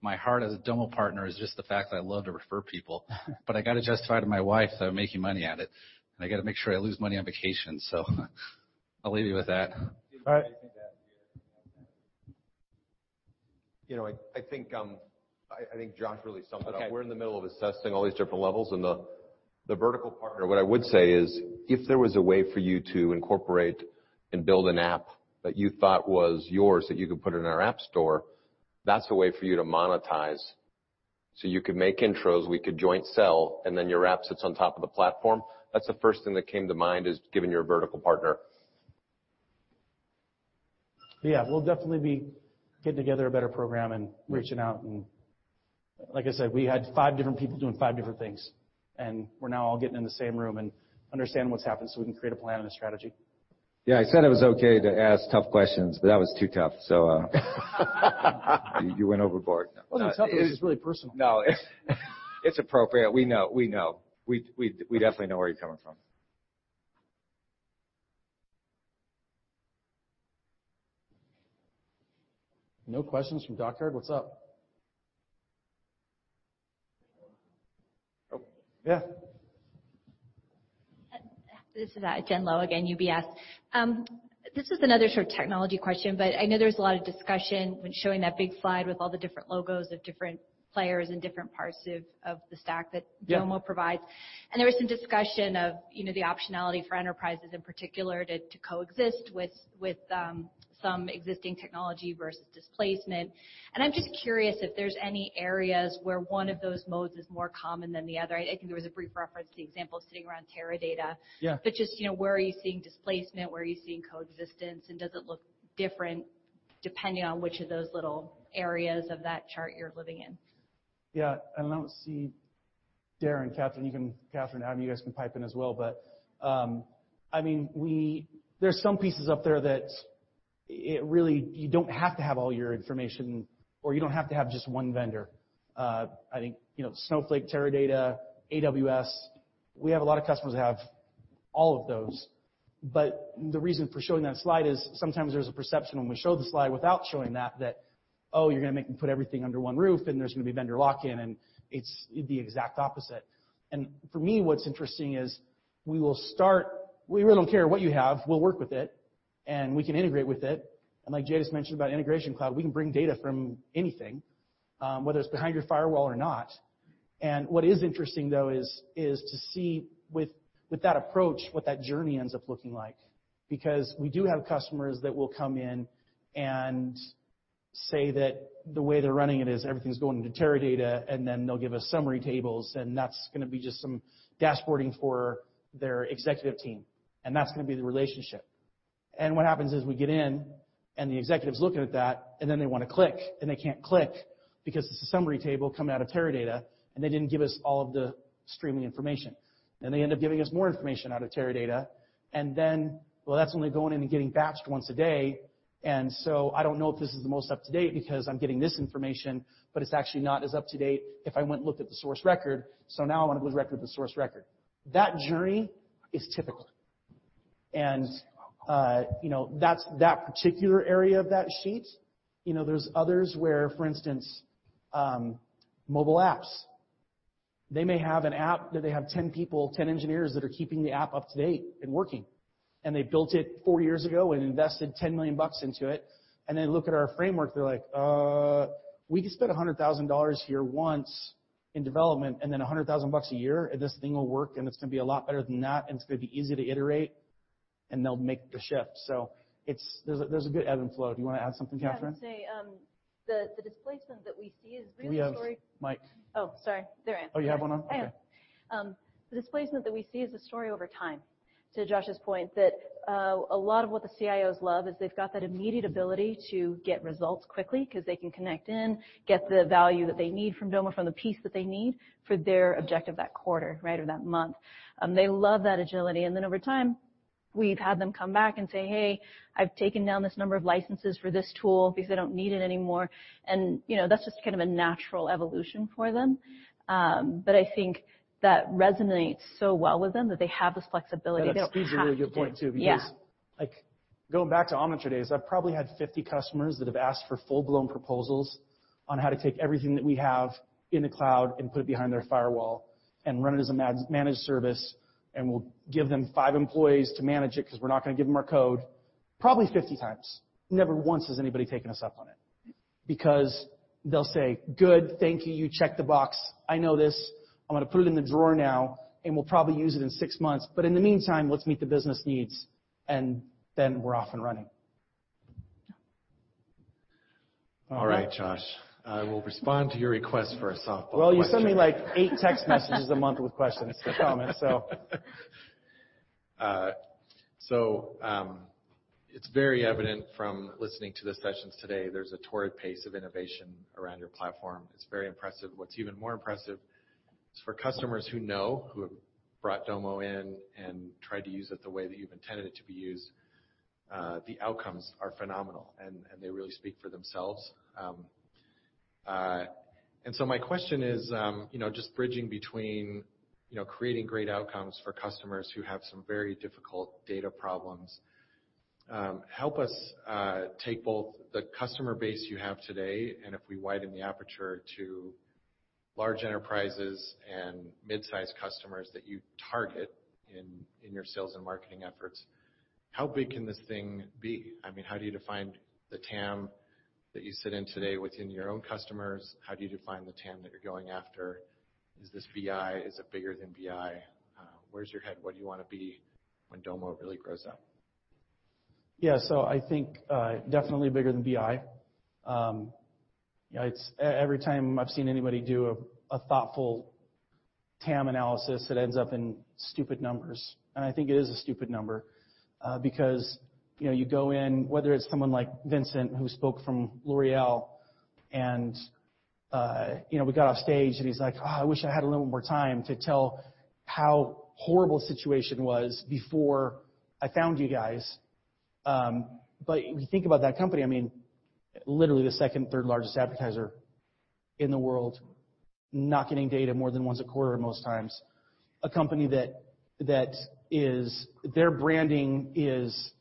my heart as a Domo partner is just the fact that I love to refer people. I got to justify to my wife that I'm making money at it, and I got to make sure I lose money on vacation. I'll leave you with that. All right. I think Josh really summed it up. Okay. We're in the middle of assessing all these different levels and the vertical partner. What I would say is, if there was a way for you to incorporate and build an app that you thought was yours that you could put in our Appstore, that's a way for you to monetize. You could make intros, we could joint sell, and then your app sits on top of the platform. That's the first thing that came to mind is given you're a vertical partner. Yeah. We'll definitely be getting together a better program and reaching out, and like I said, we had five different people doing five different things. We're now all getting in the same room and understanding what's happened so we can create a plan and a strategy. Yeah, I said it was okay to ask tough questions, but that was too tough. You went overboard. It wasn't tough. It was just really personal. No. It's appropriate. We know. We definitely know where you're coming from. No questions from [Dockyard]. What's up? Oh, yeah. This is Jen Lowe again, UBS. This is another sort of technology question, but I know there was a lot of discussion when showing that big slide with all the different logos of different players and different parts of the stack that Domo provides. Yeah. There was some discussion of the optionality for enterprises in particular to coexist with some existing technology versus displacement. I'm just curious if there's any areas where one of those modes is more common than the other. I think there was a brief reference to the example sitting around Teradata. Yeah. Just where are you seeing displacement? Where are you seeing coexistence? Does it look different depending on which of those little areas of that chart you're living in? Yeah. I don't see Daren, Catherine, Adam, you guys can pipe in as well, there's some pieces up there that you don't have to have all your information, or you don't have to have just one vendor. I think Snowflake, Teradata, AWS, we have a lot of customers that have all of those. The reason for showing that slide is sometimes there's a perception when we show the slide without showing that, oh, you're going to make me put everything under one roof, and there's going to be vendor lock-in, and it's the exact opposite. For me, what's interesting is we really don't care what you have. We'll work with it. And we can integrate with it. Like Jay mentioned about Integration Cloud, we can bring data from anything, whether it's behind your firewall or not. What is interesting though is to see with that approach, what that journey ends up looking like. Because we do have customers that will come in and say that the way they're running it is everything's going into Teradata, they'll give us summary tables, that's going to be just some dashboarding for their executive team, that's going to be the relationship. What happens is we get in, the executive's looking at that, then they want to click, they can't click because it's a summary table coming out of Teradata, they didn't give us all of the streaming information. They end up giving us more information out of Teradata, then, well, that's only going in and getting batched once a day. I don't know if this is the most up-to-date because I'm getting this information, it's actually not as up-to-date if I went and looked at the source record. Now I want to go directly to the source record. That journey is typical. That particular area of that sheet, there's others where, for instance, mobile apps. They may have an app that they have 10 people, 10 engineers that are keeping the app up to date and working. They built it 40 years ago, invested $10 million into it, they look at our framework, they're like, "We can spend $100,000 here once in development then $100,000 a year, this thing will work, it's going to be a lot better than that, it's going to be easy to iterate," they'll make the shift. There's a good ebb and flow. Do you want to add something, Catherine? Yeah. I'd say, the displacement that we see is really a story. Do we have mics? Oh, sorry. There I am. Oh, you have one on? Okay. I have. The displacement that we see is a story over time, to Josh's point, that a lot of what the CIOs love is they've got that immediate ability to get results quickly because they can connect in, get the value that they need from Domo, from the piece that they need for their objective that quarter, right, or that month. They love that agility. Then over time, we've had them come back and say, "Hey, I've taken down this number of licenses for this tool because I don't need it anymore." That's just a natural evolution for them. I think that resonates so well with them that they have this flexibility. That's a really good point, too. Yeah. Going back to Omniture days, I've probably had 50 customers that have asked for full-blown proposals on how to take everything that we have in the cloud and put it behind their firewall and run it as a managed service, and we'll give them five employees to manage it because we're not going to give them our code, probably 50 times. Never once has anybody taken us up on it because they'll say, "Good. Thank you. You checked the box. I know this. I'm going to put it in the drawer now, and we'll probably use it in six months. In the meantime, let's meet the business needs," then we're off and running. Yeah. All right, Josh. I will respond to your request for a softball question. Well, you send me like eight text messages a month with questions or comments. It's very evident from listening to the sessions today, there's a torrid pace of innovation around your platform. It's very impressive. What's even more impressive is for customers who know, who have brought Domo in and tried to use it the way that you've intended it to be used, the outcomes are phenomenal, and they really speak for themselves. My question is, just bridging between creating great outcomes for customers who have some very difficult data problems. Help us take both the customer base you have today, and if we widen the aperture to large enterprises and mid-size customers that you target in your sales and marketing efforts, how big can this thing be? How do you define the TAM that you sit in today within your own customers? How do you define the TAM that you're going after? Is this BI? Is it bigger than BI? Where's your head? What do you want to be when Domo really grows up? I think, definitely bigger than BI. Every time I've seen anybody do a thoughtful TAM analysis, it ends up in stupid numbers. I think it is a stupid number. You go in, whether it's someone like Vincent, who spoke from L'Oréal, and we got off stage, and he's like, "Oh, I wish I had a little more time to tell how horrible the situation was before I found you guys." If you think about that company, literally the second, third-largest advertiser in the world, not getting data more than once a quarter most times. A company that their branding is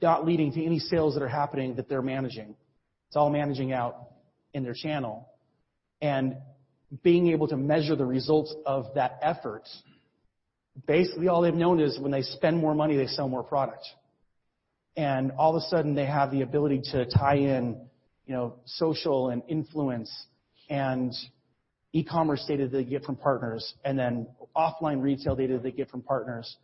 not leading to any sales that are happening that they're managing. It's all managing out in their channel. Being able to measure the results of that effort, basically all they've known is when they spend more money, they sell more product. All of a sudden, they have the ability to tie in social and influence and e-commerce data they get from partners, then offline retail data they get from partners,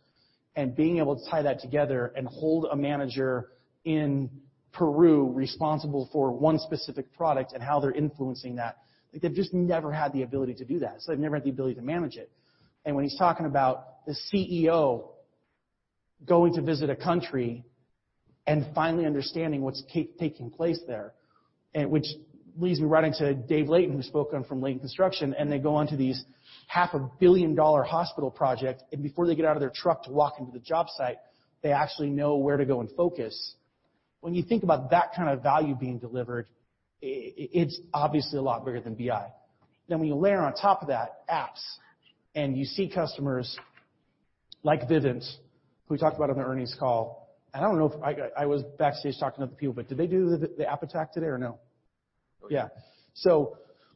being able to tie that together and hold a manager in Peru responsible for one specific product and how they're influencing that. They've just never had the ability to do that. They've never had the ability to manage it. When he's talking about the CEO going to visit a country and finally understanding what's taking place there, which leads me right into Dave Layton, who spoke from Layton Construction, they go onto these half a billion-dollar hospital projects, and before they get out of their truck to walk into the job site, they actually know where to go and focus. When you think about that kind of value being delivered, it's obviously a lot bigger than BI. When you layer on top of that apps, and you see customers like Vivint, who we talked about on the earnings call. I don't know if I was backstage talking to other people, but did they do the App Attack today or no? Yeah.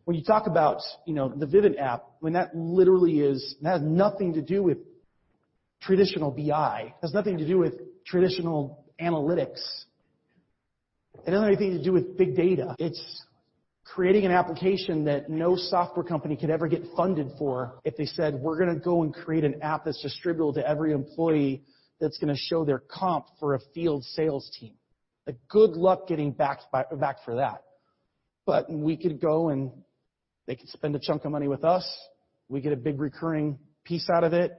When you talk about the Vivint app, when that literally has nothing to do with traditional BI, has nothing to do with traditional analytics. It doesn't have anything to do with big data. It's creating an application that no software company could ever get funded for if they said, "We're going to go and create an app that's distributable to every employee that's going to show their comp for a field sales team." Good luck getting backed for that. We could go and they could spend a chunk of money with us. We get a big recurring piece out of it,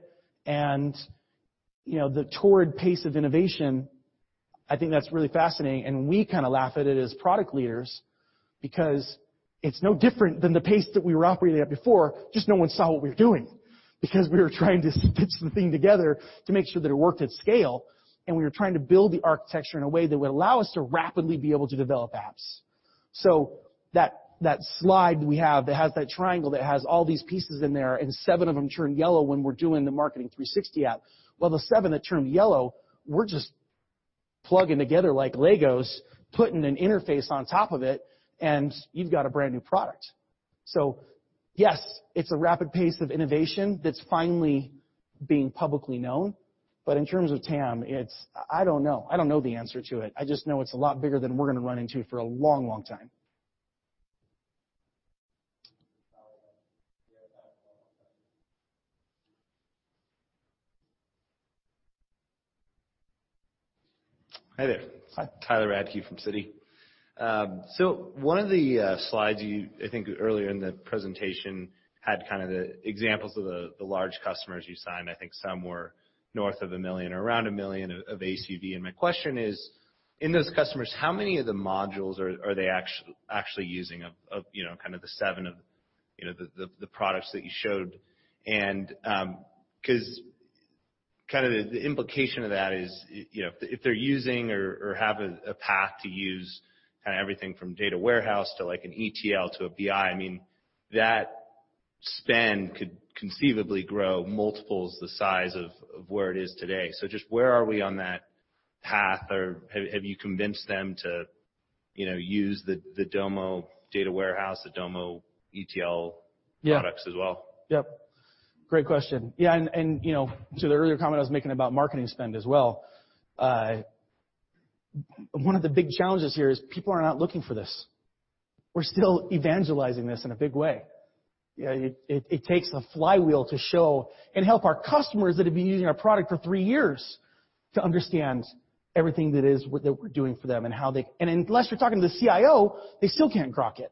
the torrid pace of innovation, I think that's really fascinating. We kind of laugh at it as product leaders because it's no different than the pace that we were operating at before, just no one saw what we were doing because we were trying to stitch the thing together to make sure that it worked at scale, we were trying to build the architecture in a way that would allow us to rapidly be able to develop apps. That slide we have that has that triangle that has all these pieces in there, and seven of them turn yellow when we're doing the Marketing 360 app. The seven that turned yellow, we're just plugging together like LEGOs, putting an interface on top of it, and you've got a brand-new product. Yes, it's a rapid pace of innovation that's finally being publicly known. In terms of TAM, I don't know. I don't know the answer to it. I just know it's a lot bigger than we're going to run into for a long time. Hi there. Hi. Tyler Radke from Citi. One of the slides you, I think earlier in the presentation, had kind of the examples of the large customers you signed. I think some were north of $1 million or around $1 million of ACV. My question is, in those customers, how many of the modules are they actually using of kind of the seven of the products that you showed? Because the implication of that is if they're using or have a path to use everything from data warehouse to like an ETL to a BI, that spend could conceivably grow multiples the size of where it is today. Just where are we on that path? Or have you convinced them to use the Domo data warehouse, the Domo ETL products as well? Yep. Great question. To the earlier comment I was making about marketing spend as well. One of the big challenges here is people are not looking for this. We're still evangelizing this in a big way. It takes the flywheel to show and help our customers that have been using our product for three years to understand everything that it is that we're doing for them and how they. Unless you're talking to the CIO, they still can't grok it.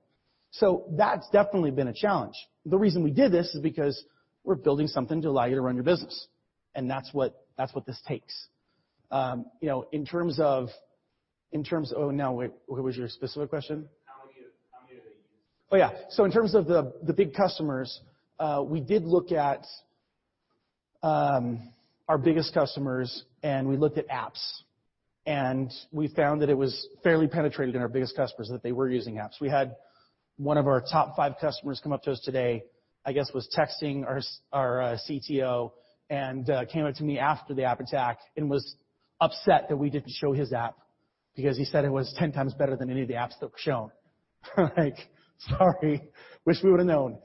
That's definitely been a challenge. The reason we did this is because we're building something to allow you to run your business, and that's what this takes. What was your specific question? How many of they use. Oh, yeah. In terms of the big customers, we did look at our biggest customers, and we looked at apps, and we found that it was fairly penetrated in our biggest customers, that they were using apps. We had one of our top five customers come up to us today, I guess, was texting our CTO and came up to me after the App Attack and was upset that we didn't show his app because he said it was 10 times better than any of the apps that were shown. Sorry. Wish we would've known.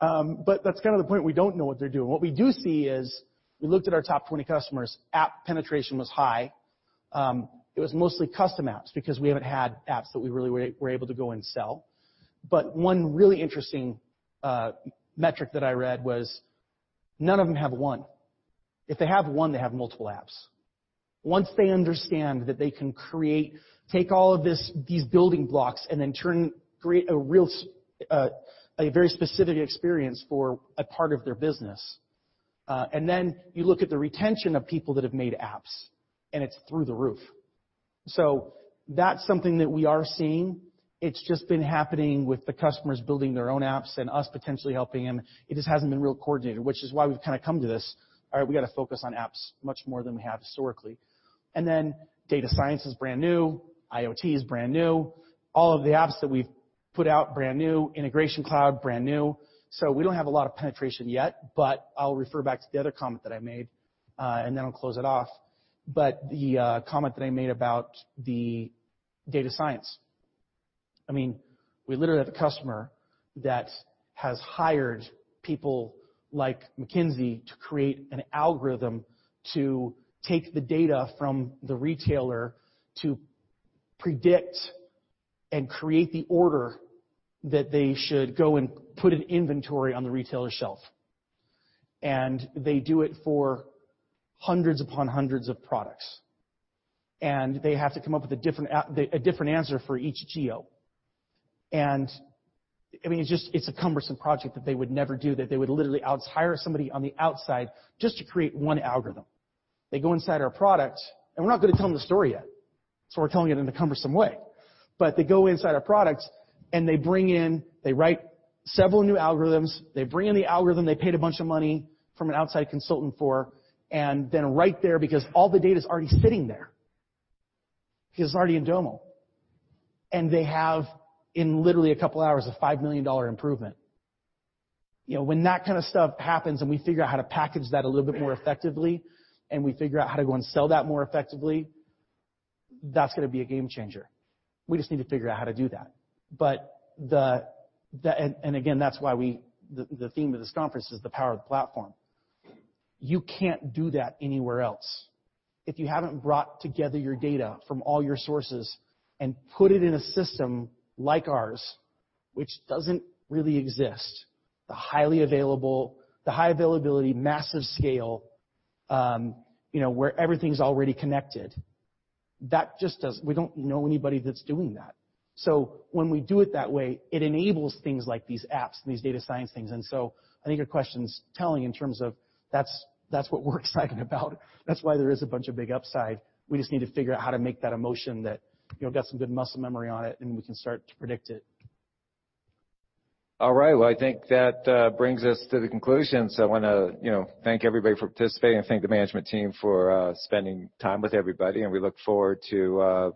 That's kind of the point. We don't know what they're doing. We looked at our top 20 customers. App penetration was high. It was mostly custom apps because we haven't had apps that we really were able to go and sell. One really interesting metric that I read was none of them have one. If they have one, they have multiple apps. Once they understand that they can create, take all of these building blocks, and then create a very specific experience for a part of their business. You look at the retention of people that have made apps, and it's through the roof. That's something that we are seeing. It's just been happening with the customers building their own apps and us potentially helping them. It just hasn't been real coordinated, which is why we've kind of come to this. All right, we got to focus on apps much more than we have historically. Data science is brand new. IoT is brand new. All of the apps that we've put out, brand new. Integration Cloud, brand new. We don't have a lot of penetration yet, but I'll refer back to the other comment that I made, and then I'll close it off. The comment that I made about the data science. We literally have a customer that has hired people like McKinsey to create an algorithm to take the data from the retailer to predict and create the order that they should go and put an inventory on the retailer shelf. They do it for hundreds upon hundreds of products. They have to come up with a different answer for each geo. It's a cumbersome project that they would never do. That they would literally hire somebody on the outside just to create one algorithm. They go inside our product, and we're not going to tell them the story yet. We're telling it in a cumbersome way. They go inside our products and they write several new algorithms. They bring in the algorithm they paid a bunch of money from an outside consultant for, then right there, because all the data's already sitting there, because it's already in Domo, and they have, in literally a couple of hours, a $5 million improvement. When that kind of stuff happens and we figure out how to package that a little bit more effectively, and we figure out how to go and sell that more effectively, that's going to be a game changer. We just need to figure out how to do that. Again, that's why the theme of this conference is the power of the platform. You can't do that anywhere else. If you haven't brought together your data from all your sources and put it in a system like ours, which doesn't really exist, the high availability, massive scale, where everything's already connected. We don't know anybody that's doing that. When we do it that way, it enables things like these apps and these data science things. I think your question's telling in terms of that's what we're excited about. That's why there is a bunch of big upside. We just need to figure out how to make that a motion that got some good muscle memory on it, and we can start to predict it. All right. Well, I think that brings us to the conclusion. I want to thank everybody for participating and thank the management team for spending time with everybody, and we look forward to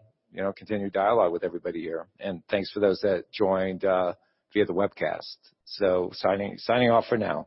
continued dialogue with everybody here. Thanks for those that joined via the webcast. Signing off for now.